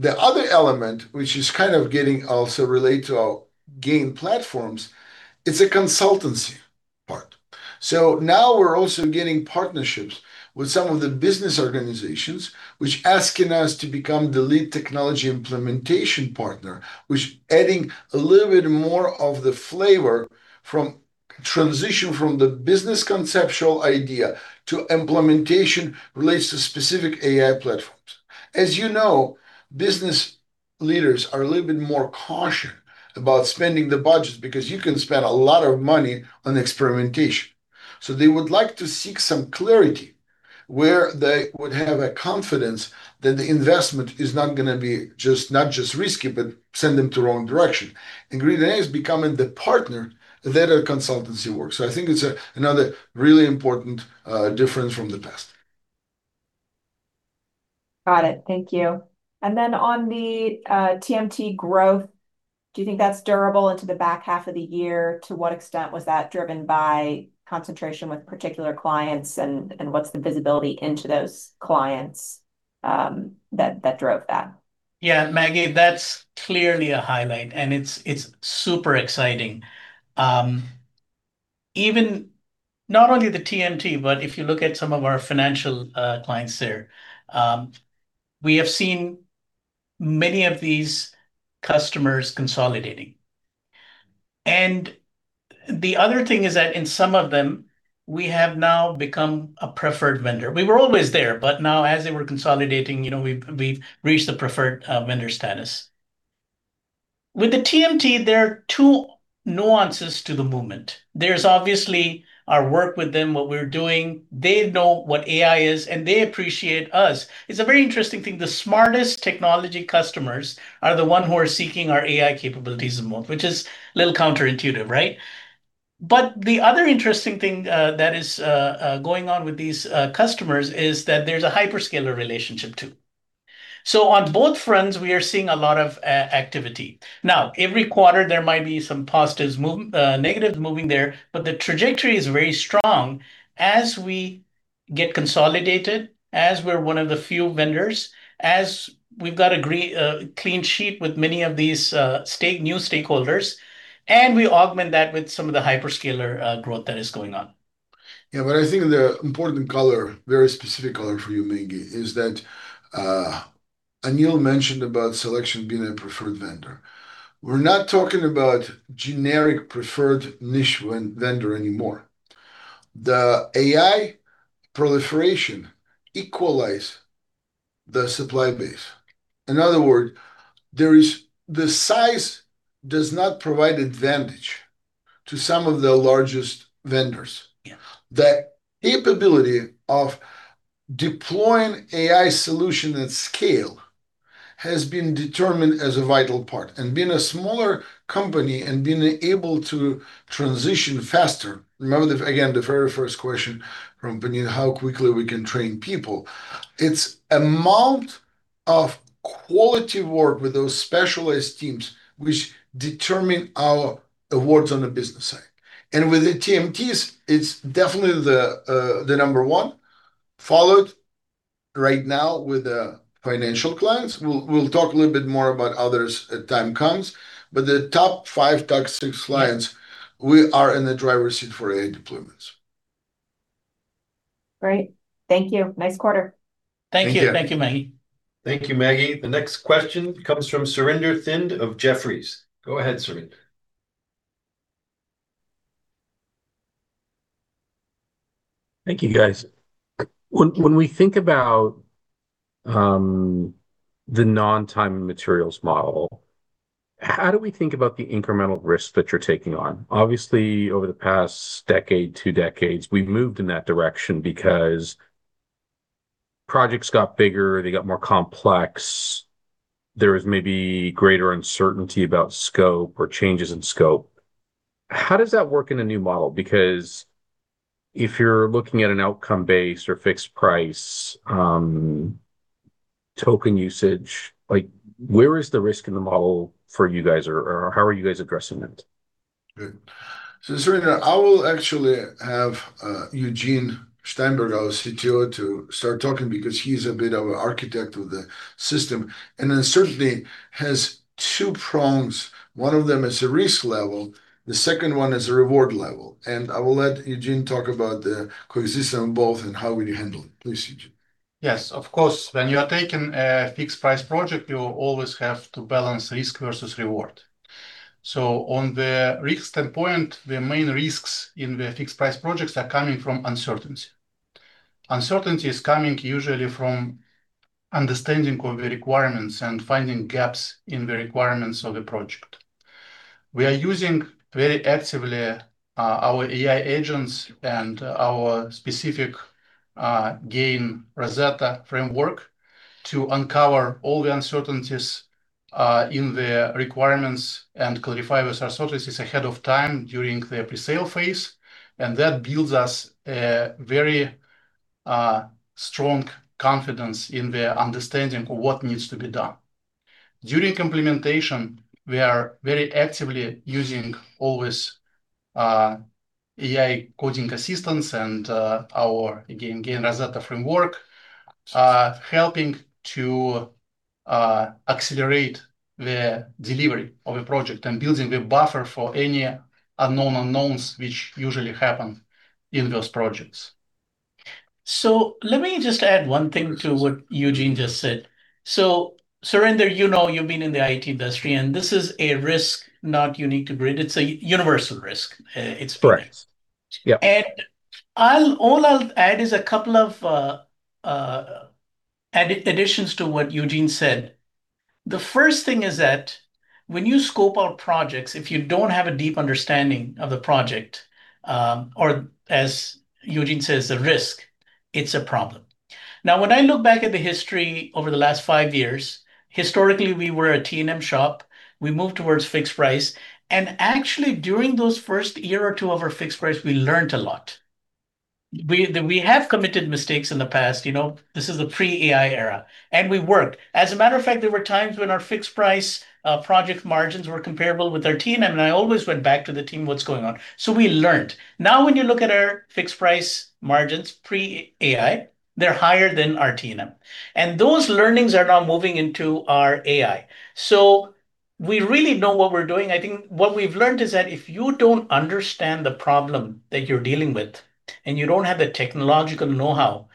The other element which is kind of getting also related to our GAIN platforms, it's a consultancy part. Now we're also getting partnerships with some of the business organizations which asking us to become the lead technology implementation partner, which adding a little bit more of the flavor from transition from the business conceptual idea to implementation relates to specific AI platforms. As you know, business leaders are a little bit more cautious about spending the budget, because you can spend a lot of money on experimentation. They would like to seek some clarity where they would have a confidence that the investment is not gonna be just risky, but send them to wrong direction. GreenLake is becoming the partner that our consultancy works. I think it's another really important difference from the past. Got it. Thank you. Then on the TMT growth, do you think that's durable into the back half of the year? To what extent was that driven by concentration with particular clients? What's the visibility into those clients that drove that? Yeah, Maggie, that's clearly a highlight, it's super exciting. Even not only the TMT, but if you look at some of our financial clients there, we have seen many of these customers consolidating. The other thing is that in some of them we have now become a preferred vendor. We were always there, but now as they were consolidating, you know, we've reached the preferred vendor status. With the TMT, there are two nuances to the movement. There's obviously our work with them, what we're doing. They know what AI is, they appreciate us. It's a very interesting thing. The smartest technology customers are the one who are seeking our AI capabilities the most, which is a little counterintuitive, right? The other interesting thing that is going on with these customers is that there's a hyperscaler relationship, too. On both fronts we are seeing a lot of activity. Every quarter there might be some positives move, negatives moving there, but the trajectory is very strong as we get consolidated, as we're one of the few vendors, as we've got a clean sheet with many of these stake, new stakeholders, and we augment that with some of the hyperscaler growth that is going on. Yeah. I think the important color, very specific color for you, Maggie, is that Anil mentioned about selection being a preferred vendor. We're not talking about generic preferred niche vendor anymore. The AI proliferation equalizes the supply base. In other words, the size does not provide advantage to some of the largest vendors. Yeah. The capability of deploying AI solution at scale has been determined as a vital part. Being a smaller company and being able to transition faster, remember the, again, the very first question from Puneet, how quickly we can train people, it's amount of quality work with those specialized teams which determine our awards on the business side. With the TMTs, it's definitely the number one, followed right now with the financial clients. We'll talk a little bit more about others as time comes, but the top five, top six clients, we are in the driver's seat for AI deployments. Great. Thank you. Nice quarter. Thank you. Thank you. Thank you, Maggie. Thank you, Maggie. The next question comes from Surinder Thind of Jefferies. Go ahead, Surinder. Thank you, guys. When we think about the non-time and materials model, how do we think about the incremental risk that you're taking on? Obviously, over the past decade, two decades, we've moved in that direction because projects got bigger, they got more complex. There was maybe greater uncertainty about scope or changes in scope. How does that work in a new model? If you're looking at an outcome-based or fixed price, token usage, like, where is the risk in the model for you guys? Or how are you guys addressing it? Good. Surinder, I will actually have Eugene Steinberg, our CTO, to start talking because he's a bit of an architect of the system. Uncertainty has two prongs. One of them is a risk level, the second one is a reward level. I will let Eugene talk about the coexistence of both and how we handle it. Please, Eugene. Yes. Of course, when you are taking a fixed price project, you always have to balance risk versus reward. On the risk standpoint, the main risks in the fixed price projects are coming from uncertainty. Uncertainty is coming usually from understanding of the requirements and finding gaps in the requirements of the project. We are using very actively our AI agents and our specific GAIN Rosetta framework to uncover all the uncertainties in the requirements and clarify with our sources ahead of time during the presale phase, and that builds us a very strong confidence in the understanding of what needs to be done. During implementation, we are very actively using always, AI coding assistance and, our, again, GAIN Rosetta framework, helping to accelerate the delivery of a project and building the buffer for any unknown unknowns which usually happen in those projects. Let me just add one thing to what Eugene just said. Surinder, you know, you've been in the IT industry, and this is a risk not unique to Grid. It's a universal risk, experience. Correct. Yeah. All I'll add is a couple of additions to what Eugene said. The first thing is that when you scope out projects, if you don't have a deep understanding of the project, or as Eugene says, the risk, it's a problem. When I look back at the history over the last five years, historically, we were a T&M shop. We moved towards fixed price, actually, during those first year or two of our fixed price, we learnt a lot. We have committed mistakes in the past, you know? This is the pre-AI era. We worked. As a matter of fact, there were times when our fixed price project margins were comparable with our T&M, I always went back to the team, "What's going on?" We learnt. When you look at our fixed price margins pre-AI, they're higher than our T&M, and those learnings are now moving into our AI. We really know what we're doing. I think what we've learned is that if you don't understand the problem that you're dealing with and you don't have the technological know-how,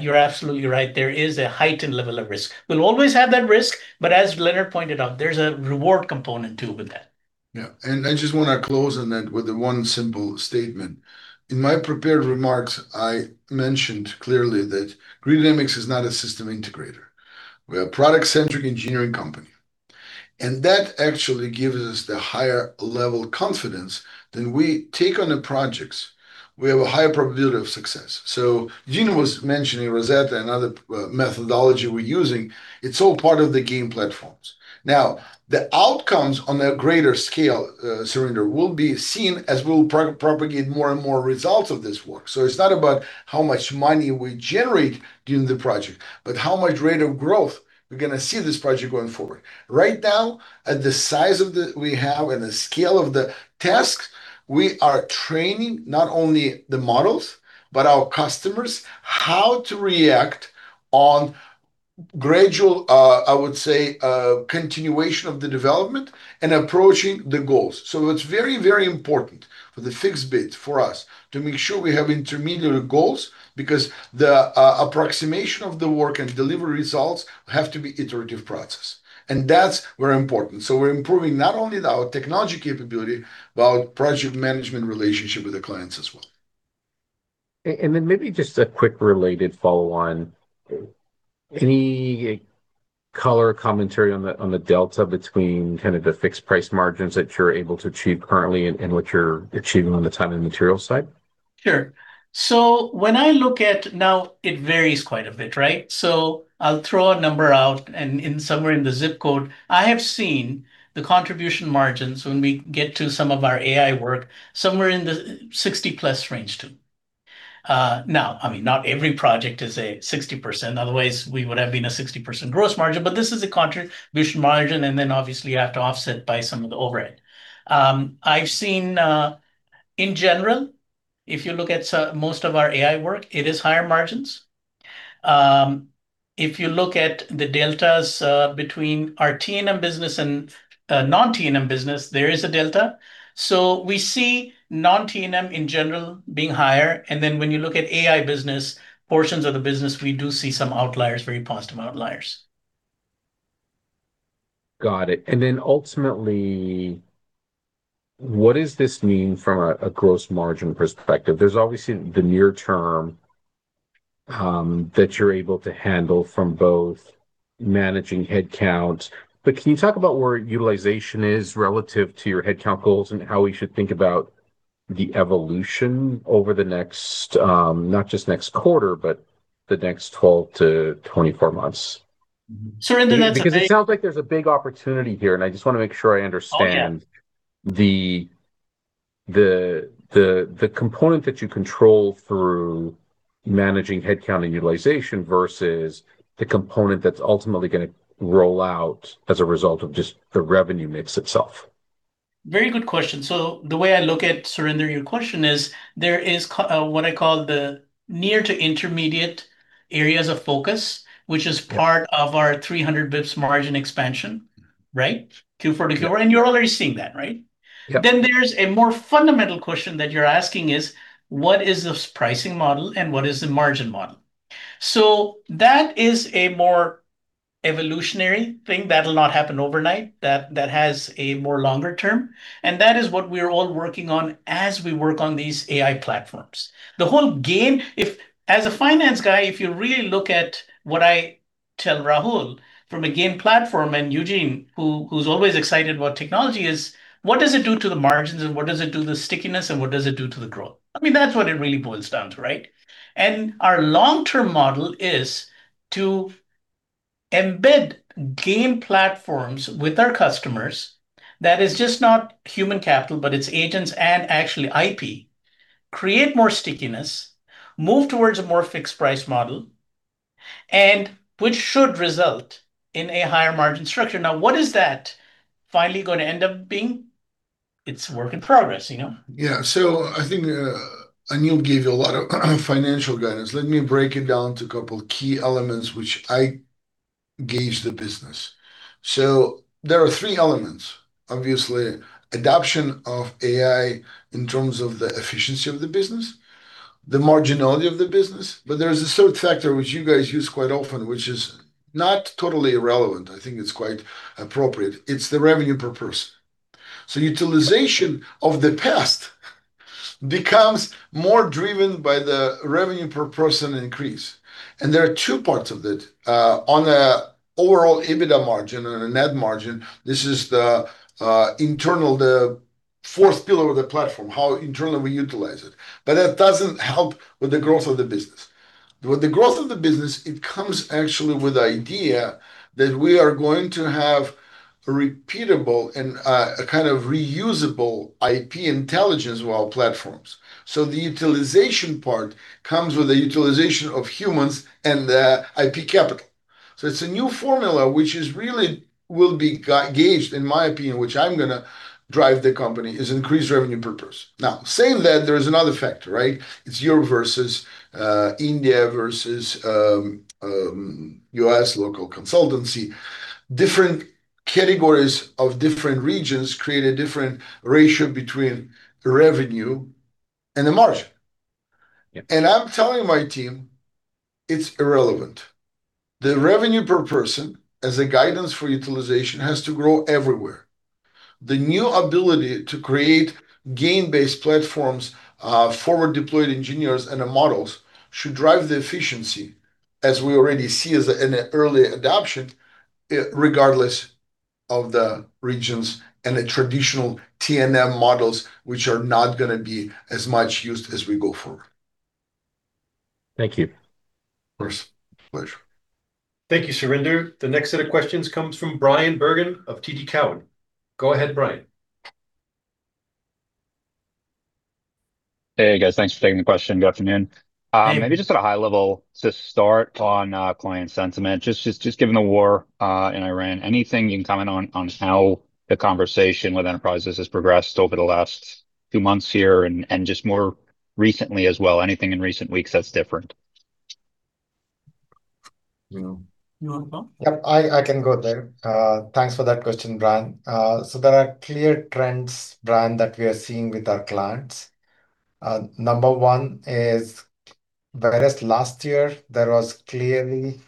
you're absolutely right, there is a heightened level of risk. We'll always have that risk, but as Leonard pointed out, there's a reward component, too, with that. Yeah. I just want to close on that with the one simple statement. In my prepared remarks, I mentioned clearly that Grid Dynamics is not a system integrator. We're a product-centric engineering company, and that actually gives us the higher level confidence that we take on the projects, we have a higher probability of success. Eugene was mentioning Rosetta, another methodology we're using. It's all part of the GAIN platforms. The outcomes on a greater scale, Surinder, will be seen as we will propagate more and more results of this work. It's not about how much money we generate during the project, but how much rate of growth we're going to see this project going forward. Right now, at the size we have and the scale of the tasks, we are training not only the models but our customers how to react on gradual, I would say, continuation of the development and approaching the goals. It's very, very important for the fixed bid for us to make sure we have intermediary goals because the approximation of the work and delivery results have to be iterative process, and that's very important. We're improving not only our technology capability, but our project management relationship with the clients as well. Maybe just a quick related follow-on. Any color or commentary on the delta between kinda the fixed price margins that you're able to achieve currently and what you're achieving on the time and materials side? Sure. When I look at. Now, it varies quite a bit, right? I'll throw a number out and in, somewhere in the zip code. I have seen the contribution margins when we get to some of our AI work somewhere in the +60% range too. Now, I mean, not every project is a 60%, otherwise we would have been a 60% gross margin, but this is a contribution margin, and then obviously you have to offset by some of the overhead. I've seen. In general, if you look at most of our AI work, it is higher margins. If you look at the deltas, between our T&M business and non-T&M business, there is a delta. We see non-T&M in general being higher, and then when you look at AI business, portions of the business, we do see some outliers, very positive outliers. Got it. Ultimately, what does this mean from a gross margin perspective? There's obviously the near term that you're able to handle from both managing headcount, but can you talk about where utilization is relative to your headcount goals and how we should think about the evolution over the next, not just next quarter, but the next 12 months-24 months? Sure. It sounds like there's a big opportunity here, and I just wanna make sure I understand. Oh, yeah.... the component that you control through managing head count and utilization versus the component that's ultimately gonna roll out as a result of just the revenue mix itself. Very good question. The way I look at, Surinder, your question is, there is what I call the near to intermediate areas of focus. Yeah... which is part of our 300 basis points margin expansion, right? Q4-Q1. Yeah. You're already seeing that, right? Yeah. There's a more fundamental question that you're asking is, what is this pricing model and what is the margin model? That is a more evolutionary thing that'll not happen overnight, that has a more longer term, and that is what we're all working on as we work on these AI platforms. The whole GAIN, if as a finance guy, if you really look at what I tell Rahul from a GAIN platform, and Eugene who's always excited about technology, is, what does it do to the margins and what does it do to the stickiness and what does it do to the growth? I mean, that's what it really boils down to, right? Our long-term model is to embed GAIN platforms with our customers, that is just not human capital, but it's agents and actually IP. Create more stickiness, move towards a more fixed price model, which should result in a higher margin structure. What is that finally going to end up being? It's work in progress, you know? Yeah. I think Anil gave you a lot of financial guidance. Let me break it down to couple key elements which I gauge the business. There are three elements. Obviously, adaptation of AI in terms of the efficiency of the business, the marginality of the business, there is a third factor which you guys use quite often, which is not totally irrelevant. I think it's quite appropriate. It's the revenue per person. Utilization of the past becomes more driven by the revenue per person increase, and there are two parts of it. On a overall EBITDA margin and a net margin, this is the internal, the fourth pillar of the platform, how internally we utilize it. That doesn't help with the growth of the business. With the growth of the business, it comes actually with the idea that we are going to have repeatable and a kind of reusable IP intelligence with our platforms. The utilization part comes with the utilization of humans and the IP capital. It's a new formula which is really will be gauged, in my opinion, which I'm gonna drive the company, is increase revenue per person. Now, saying that, there is another factor, right? It's Euro versus India versus U.S. local consultancy. Different categories of different regions create a different ratio between the revenue and the margin. Yeah. I'm telling my team it's irrelevant. The revenue per person as a guidance for utilization has to grow everywhere. The new ability to create GAIN-based platforms, forward deployed engineers and the models should drive the efficiency, as we already see as a, in a early adaptation, regardless of the regions and the traditional T&M models which are not gonna be as much used as we go forward. Thank you. Of course. Pleasure. Thank you, Surinder. The next set of questions comes from Bryan Bergin of TD Cowen. Go ahead, Bryan. Hey, guys. Thanks for taking the question. Good afternoon. Hey. Maybe just at a high level to start on client sentiment, just given the war in Iran, anything you can comment on how the conversation with enterprises has progressed over the last two months here and just more recently as well? Anything in recent weeks that's different? Anil? You want to go? Yeah, I can go there. Thanks for that question, Bryan. There are clear trends, Bryan, that we are seeing with our clients. Number one is, whereas last year there was clearly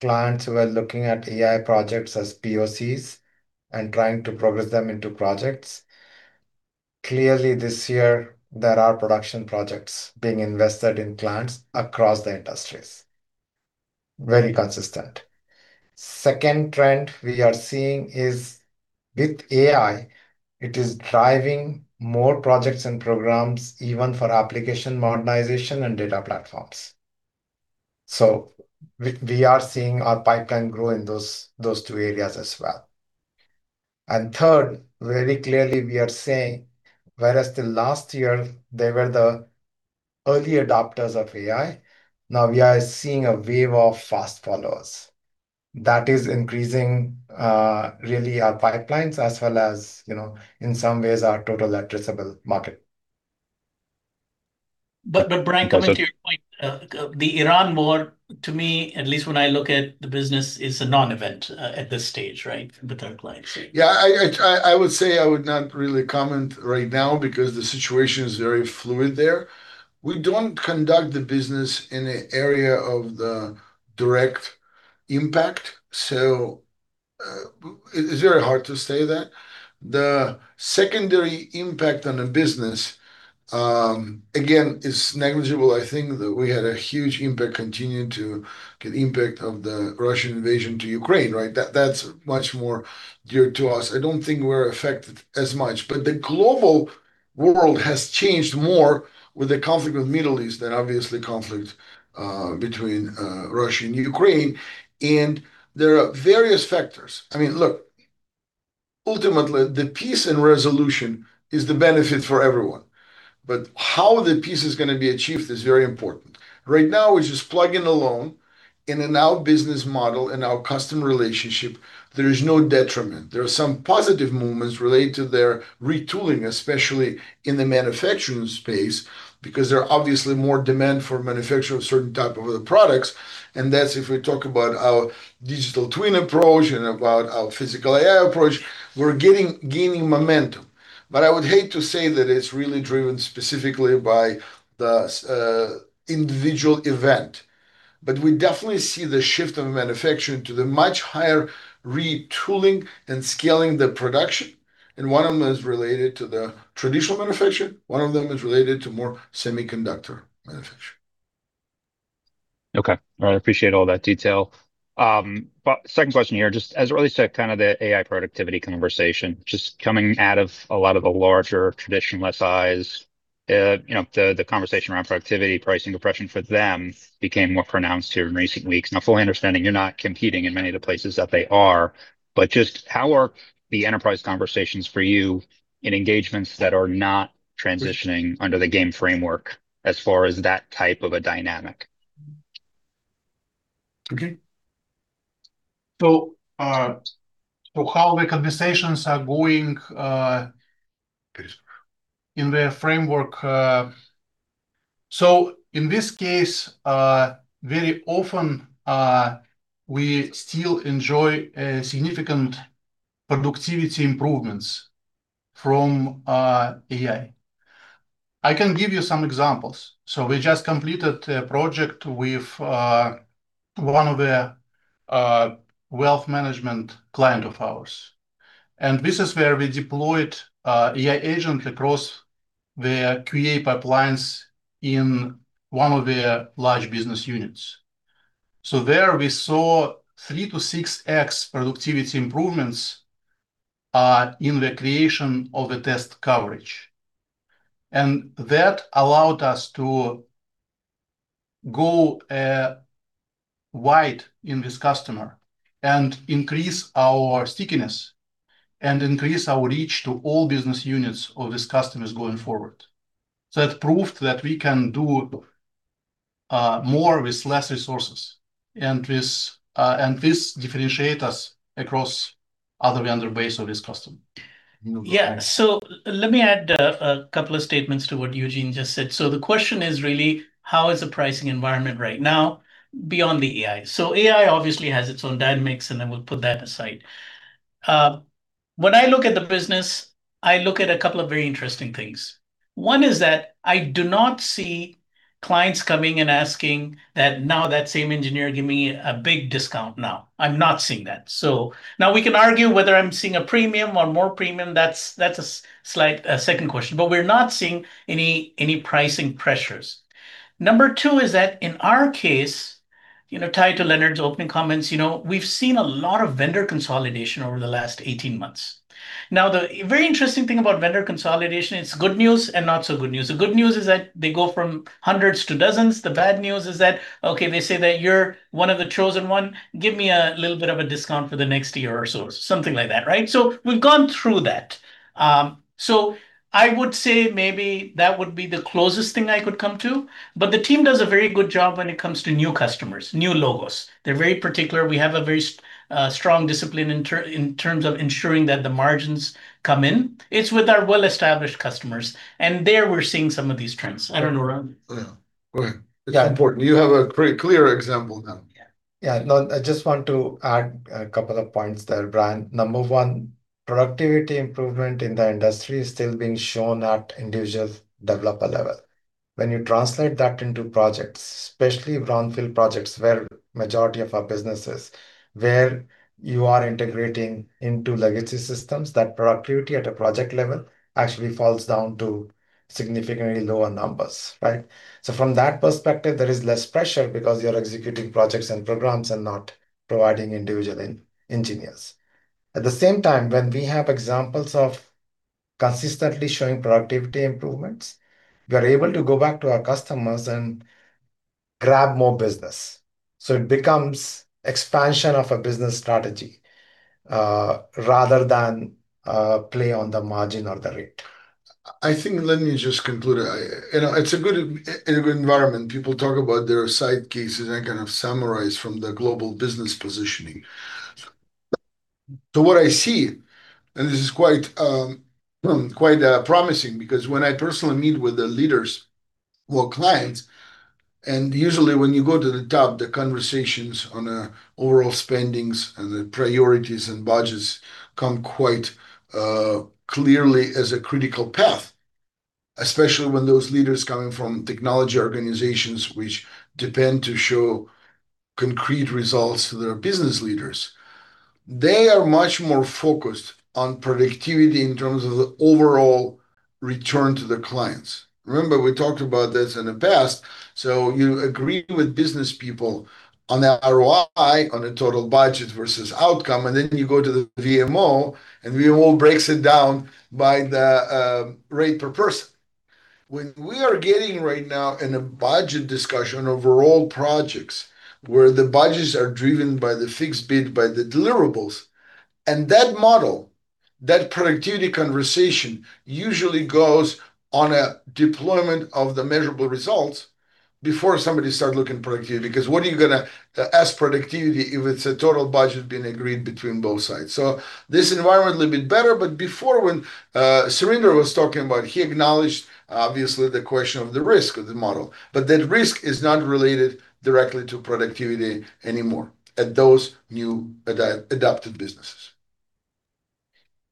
clients who were looking at AI projects as POCs and trying to progress them into projects, clearly this year there are production projects being invested in clients across the industries. Very consistent. Second trend we are seeing is with AI, it is driving more projects and programs, even for application modernization and data platforms. We are seeing our pipeline grow in those two areas as well. Third, very clearly we are seeing, whereas the last year they were the early adopters of AI, now we are seeing a wave of fast followers. That is increasing, really our pipelines as well as, you know, in some ways our total addressable market. Bryan, coming to your point, the Iran war, to me, at least when I look at the business, is a non-event, at this stage, right? With our clients, right? I would say I would not really comment right now because the situation is very fluid there. We don't conduct the business in an area of the direct impact, it's very hard to say that. The secondary impact on the business, again, is negligible. I think that we had a huge impact continuing to get impact of the Russian invasion to Ukraine, right? That's much more dear to us. I don't think we're affected as much. The world has changed more with the conflict with Middle East than obviously conflict between Russia and Ukraine, there are various factors. Look, ultimately the peace and resolution is the benefit for everyone, how the peace is gonna be achieved is very important. Right now we're just plugging along in our business model and our customer relationship there is no detriment. There are some positive movements related to their retooling, especially in the manufacturing space because there are obviously more demand for manufacturing of certain type of products, and that's if we talk about our digital twin approach and about our Physical AI approach, we're getting, gaining momentum. I would hate to say that it's really driven specifically by the individual event. We definitely see the shift of manufacturing to the much higher retooling and scaling the production, and one of them is related to the traditional manufacturing, one of them is related to more semiconductor manufacturing. Okay. I appreciate all that detail. Second question here, just as it relates to kind of the AI productivity conversation, just coming out of a lot of the larger traditional SIs, you know, the conversation around productivity pricing oppression for them became more pronounced here in recent weeks. Now fully understanding you're not competing in many of the places that they are, but just how are the enterprise conversations for you in engagements that are not transitioning under the GAIN framework as far as that type of a dynamic? Okay. How the conversations are going in the framework. In this case, very often, we still enjoy a significant productivity improvements from AI. I can give you some examples. We just completed a project with one of the wealth management client of ours, and this is where we deployed AI agent across their QA pipelines in one of their large business units. There we saw 3x-6x productivity improvements in the creation of the test coverage, and that allowed us to go wide in this customer and increase our stickiness and increase our reach to all business units of these customers going forward. It proved that we can do more with less resources, and this differentiate us across other vendor base of this customer. Let me add a couple of statements to what Eugene just said. The question is really how is the pricing environment right now beyond the AI? AI obviously has its own dynamics, we'll put that aside. When I look at the business, I look at a couple of very interesting things. One is that I do not see clients coming and asking that now that same engineer give me a big discount now. I'm not seeing that. Now we can argue whether I'm seeing a premium or more premium, that's a second question. We're not seeing any pricing pressures. Number two is that in our case, you know, tied to Leonard's opening comments, you know, we've seen a lot of vendor consolidation over the last 18 months. The very interesting thing about vendor consolidation, it's good news and not so good news. The good news is that they go from hundreds to dozens. The bad news is that they say that you're one of the chosen one, give me a little bit of a discount for the next year or so, something like that, right? We've gone through that. I would say maybe that would be the closest thing I could come to. The team does a very good job when it comes to new customers, new logos. They're very particular. We have a very strong discipline in terms of ensuring that the margins come in. It's with our well-established customers, and there we're seeing some of these trends. I don't know, Rahul. Yeah. Right. Yeah. It's important. You have a pretty clear example then. Yeah. Yeah. No, I just want to add a couple of points there, Bryan. Number one, productivity improvement in the industry is still being shown at individual developer level. When you translate that into projects, especially brownfield projects where majority of our business is, where you are integrating into legacy systems, that productivity at a project level actually falls down to significantly lower numbers, right. From that perspective, there is less pressure because you are executing projects and programs and not providing individual engineers. At the same time, when we have examples of consistently showing productivity improvements, we are able to go back to our customers and grab more business, so it becomes expansion of a business strategy rather than play on the margin or the rate. I think let me just conclude. you know, it's a good in a good environment. People talk about their side cases. I kind of summarize from the global business positioning. What I see, this is quite promising because when I personally meet with the leaders or clients, usually when you go to the top, the conversations on overall spendings and the priorities and budgets come quite clearly as a critical path, especially when those leaders coming from technology organizations which depend to show concrete results to their business leaders. They are much more focused on productivity in terms of the overall return to the clients. Remember, we talked about this in the past, so you agree with business people on the ROI, on the total budget versus outcome, and then you go to the VMO, and VMO breaks it down by the rate per person. When we are getting right now in a budget discussion over all projects where the budgets are driven by the fixed bid by the deliverables, and that model, that productivity conversation usually goes on a deployment of the measurable results before somebody start looking productivity. What are you gonna ask productivity if it's a total budget being agreed between both sides? This environment a little bit better, but before when Surinder was talking about, he acknowledged, obviously, the question of the risk of the model. That risk is not related directly to productivity anymore at those new adapted businesses.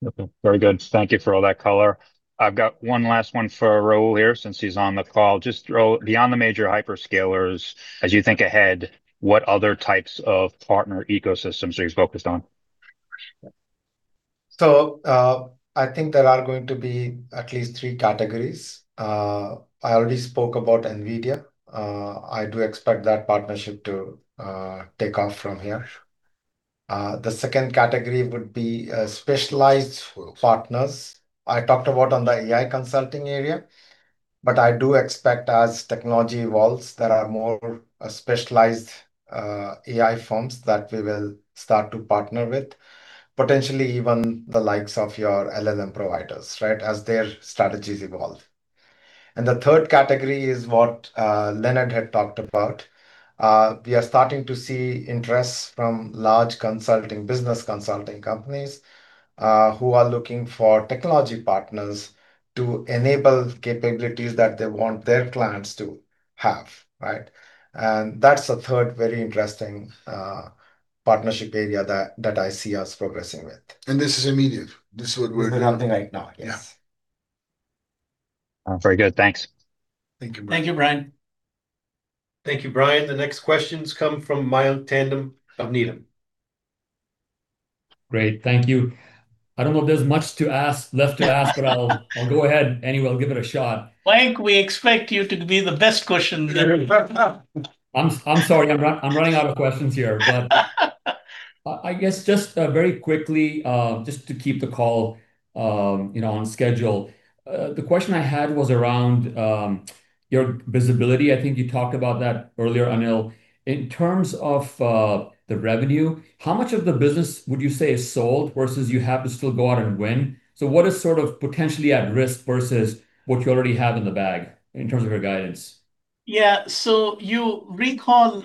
Okay. Very good. Thank you for all that color. I've got one last one for Rahul here since he's on the call. Just, Rahul, beyond the major hyperscalers, as you think ahead, what other types of partner ecosystems are you focused on? I think there are going to be at least three categories. I already spoke about NVIDIA. I do expect that partnership to take off from here. The second category would be specialized partners. I talked about on the AI consulting area, but I do expect as technology evolves, there are more specialized AI firms that we will start to partner with, potentially even the likes of your LLM providers, right, as their strategies evolve. The third category is what Leonard had talked about. We are starting to see interest from large consulting, business consulting companies, who are looking for technology partners to enable capabilities that they want their clients to have, right? That's the third very interesting partnership area that I see us progressing with. This is immediate. This is what we're doing. We're doing right now. Yes. Yeah. Very good. Thanks. Thank you, Bryan. Thank you, Bryan. The next questions come from Mayank Tandon of Needham. Great. Thank you. I don't know if there's much to ask, left to ask, but I'll go ahead anyway. I'll give it a shot. Mayank, we expect you to be the best question there. I'm sorry. I'm running out of questions here. I guess just very quickly, just to keep the call, you know, on schedule. The question I had was around your visibility. I think you talked about that earlier, Anil. In terms of the revenue, how much of the business would you say is sold versus you have to still go out and win? What is sort of potentially at risk versus what you already have in the bag in terms of your guidance? Yeah. You recall,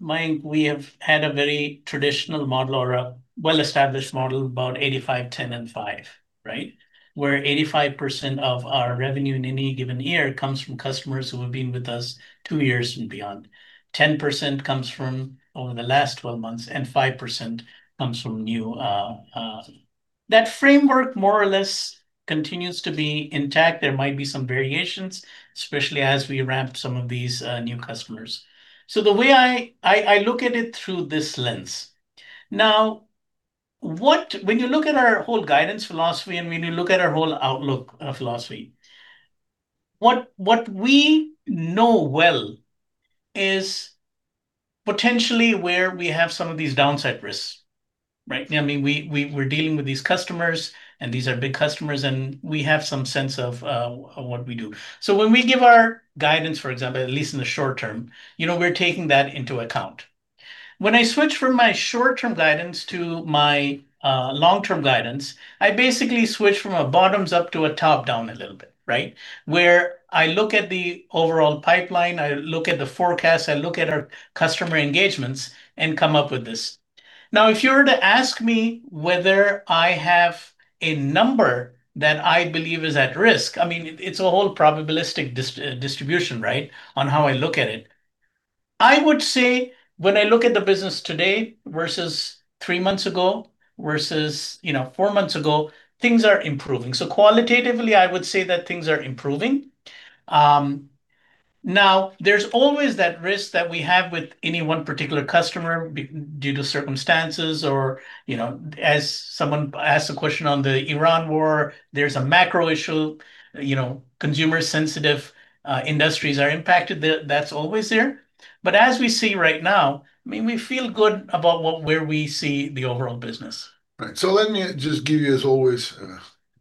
Mayank, we have had a very traditional model or a well-established model, about 85%, 10%, and 5%, right? Where 85% of our revenue in any given year comes from customers who have been with us two years and beyond. 10% comes from over the last 12 months, and 5% comes from new. That framework more or less continues to be intact. There might be some variations, especially as we ramp some of these new customers. The way I look at it through this lens. When you look at our whole guidance philosophy and when you look at our whole outlook philosophy, what we know well is potentially where we have some of these downside risks, right? I mean, we're dealing with these customers, and these are big customers, and we have some sense of what we do. When we give our guidance, for example, at least in the short term, you know, we're taking that into account. When I switch from my short-term guidance to my long-term guidance, I basically switch from a bottoms up to a top down a little bit, right? Where I look at the overall pipeline, I look at the forecast, I look at our customer engagements and come up with this. If you were to ask me whether I have a number that I believe is at risk, I mean, it's a whole probabilistic distribution, right, on how I look at it. I would say when I look at the business today versus three months ago versus, you know, four months ago, things are improving. Qualitatively, I would say that things are improving. Now, there's always that risk that we have with any one particular customer due to circumstances or, you know, as someone asked a question on the Iran war, there's a macro issue. You know, consumer-sensitive industries are impacted. That's always there. As we see right now, I mean, we feel good about what, where we see the overall business. Right. Let me just give you, as always,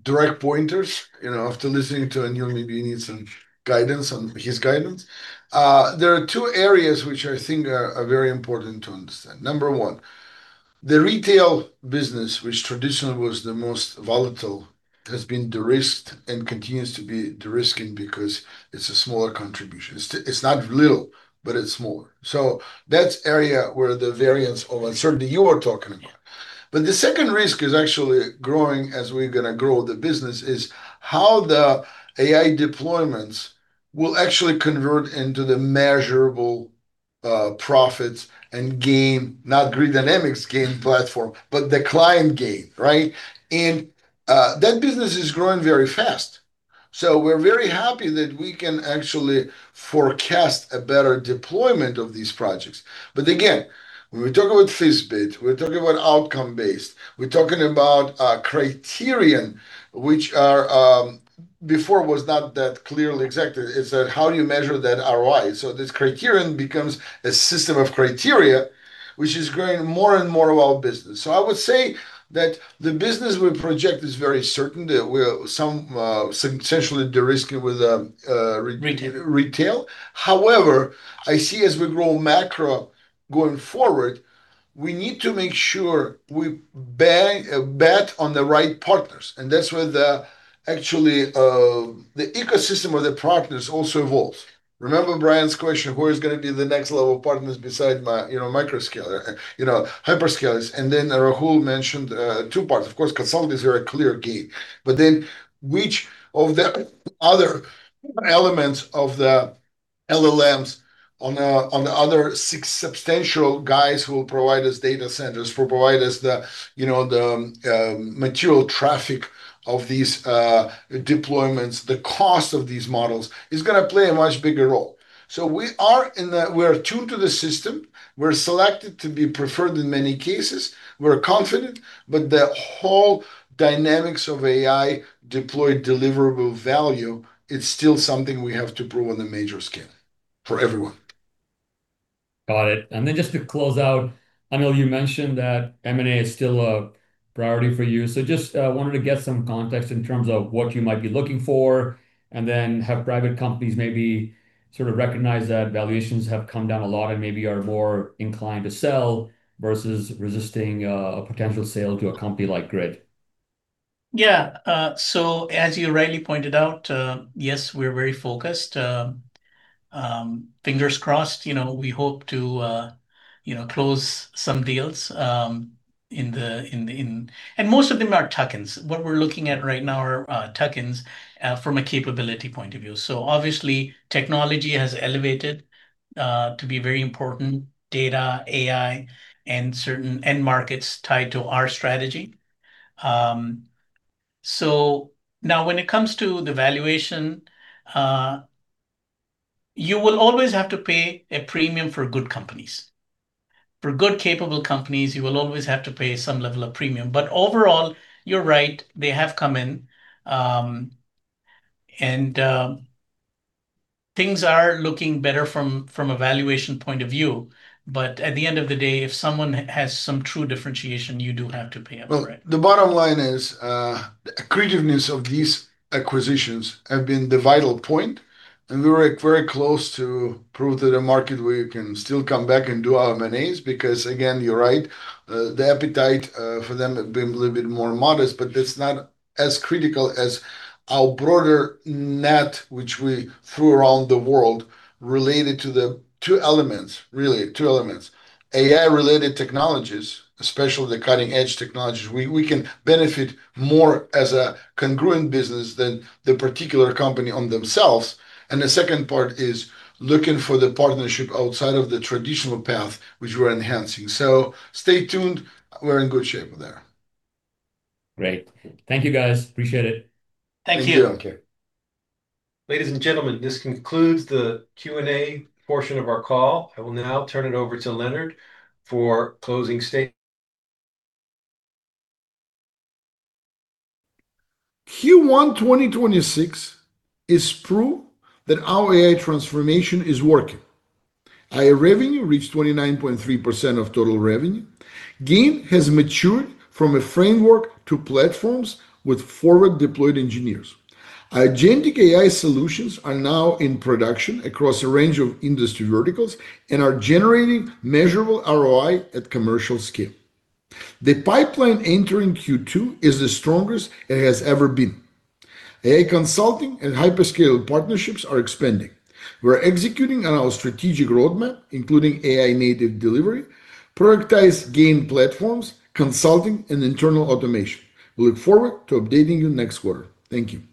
direct pointers. You know, after listening to Anil, maybe you need some guidance on his guidance. There are two areas which I think are very important to understand. Number one, the retail business, which traditionally was the most volatile, has been de-risked and continues to be de-risking because it's a smaller contribution. It's not little, but it's smaller. That's area where the variance of uncertainty you are talking about. The second risk is actually growing as we're gonna grow the business, is how the AI deployments will actually convert into the measurable profits and GAIN, not Grid Dynamics GAIN platform, but the client GAIN, right? That business is growing very fast. We're very happy that we can actually forecast a better deployment of these projects. Again, when we're talking about fixed bid, we're talking about outcome-based, we're talking about a criterion which are, Before was not that clearly exactly. It's that how do you measure that ROI? This criterion becomes a system of criteria which is growing more and more of our business. I would say that the business we project is very certain that we are substantially de-risking with. Retail. However, I see as we grow macro going forward, we need to make sure we bet on the right partners, and that's where the actually the ecosystem of the partners also evolves. Remember Bryan's question, who is gonna be the next level partners beside my, you know, micro scale, you know, hyperscalers? Rahul mentioned two parts. Of course, consulting is very clear GAIN. Which of the other elements of the LLMs on the, on the other six substantial guys who will provide us data centers, who provide us the, you know, the material traffic of these deployments, the cost of these models, is gonna play a much bigger role. We are tuned to the system. We're selected to be preferred in many cases. We're confident, but the whole dynamics of AI deployed deliverable value, it's still something we have to prove on a major scale for everyone. Got it. Just to close out, Anil, you mentioned that M&A is still a priority for you. Just wanted to get some context in terms of what you might be looking for, and then have private companies maybe sort of recognize that valuations have come down a lot and maybe are more inclined to sell versus resisting a potential sale to a company like Grid. As you rightly pointed out, yes, we're very focused. Fingers crossed, you know, we hope to, you know, close some deals. Most of them are tuck-ins. What we're looking at right now are tuck-ins from a capability point of view. Obviously technology has elevated to be very important. Data, AI, and certain end markets tied to our strategy. Now when it comes to the valuation, you will always have to pay a premium for good companies. For good capable companies, you will always have to pay some level of premium. Overall, you're right, they have come in, and things are looking better from a valuation point of view. At the end of the day, if someone has some true differentiation, you do have to pay up for it. Well, the bottom line is, the accretiveness of these acquisitions have been the vital point, and we're very close to prove to the market we can still come back and do our M&As because, again, you're right. That's not as critical as our broader net which we threw around the world related to the two elements, really two elements. AI related technologies, especially the cutting edge technologies. We can benefit more as a congruent business than the particular company on themselves. The second part is looking for the partnership outside of the traditional path which we're enhancing. Stay tuned. We're in good shape there. Great. Thank you, guys. Appreciate it. Thank you. Thank you, Anil. Ladies and gentlemen, this concludes the Q&A portion of our call. I will now turn it over to Leonard for closing state- Q1 2026 is proof that our AI transformation is working. AI revenue reached 29.3% of total revenue. GAIN has matured from a framework to platforms with forward deployed engineers. Our agentic AI solutions are now in production across a range of industry verticals and are generating measurable ROI at commercial scale. The pipeline entering Q2 is the strongest it has ever been. AI consulting and hyperscale partnerships are expanding. We're executing on our strategic roadmap, including AI native delivery, productized GAIN platforms, consulting, and internal automation. We look forward to updating you next quarter. Thank you.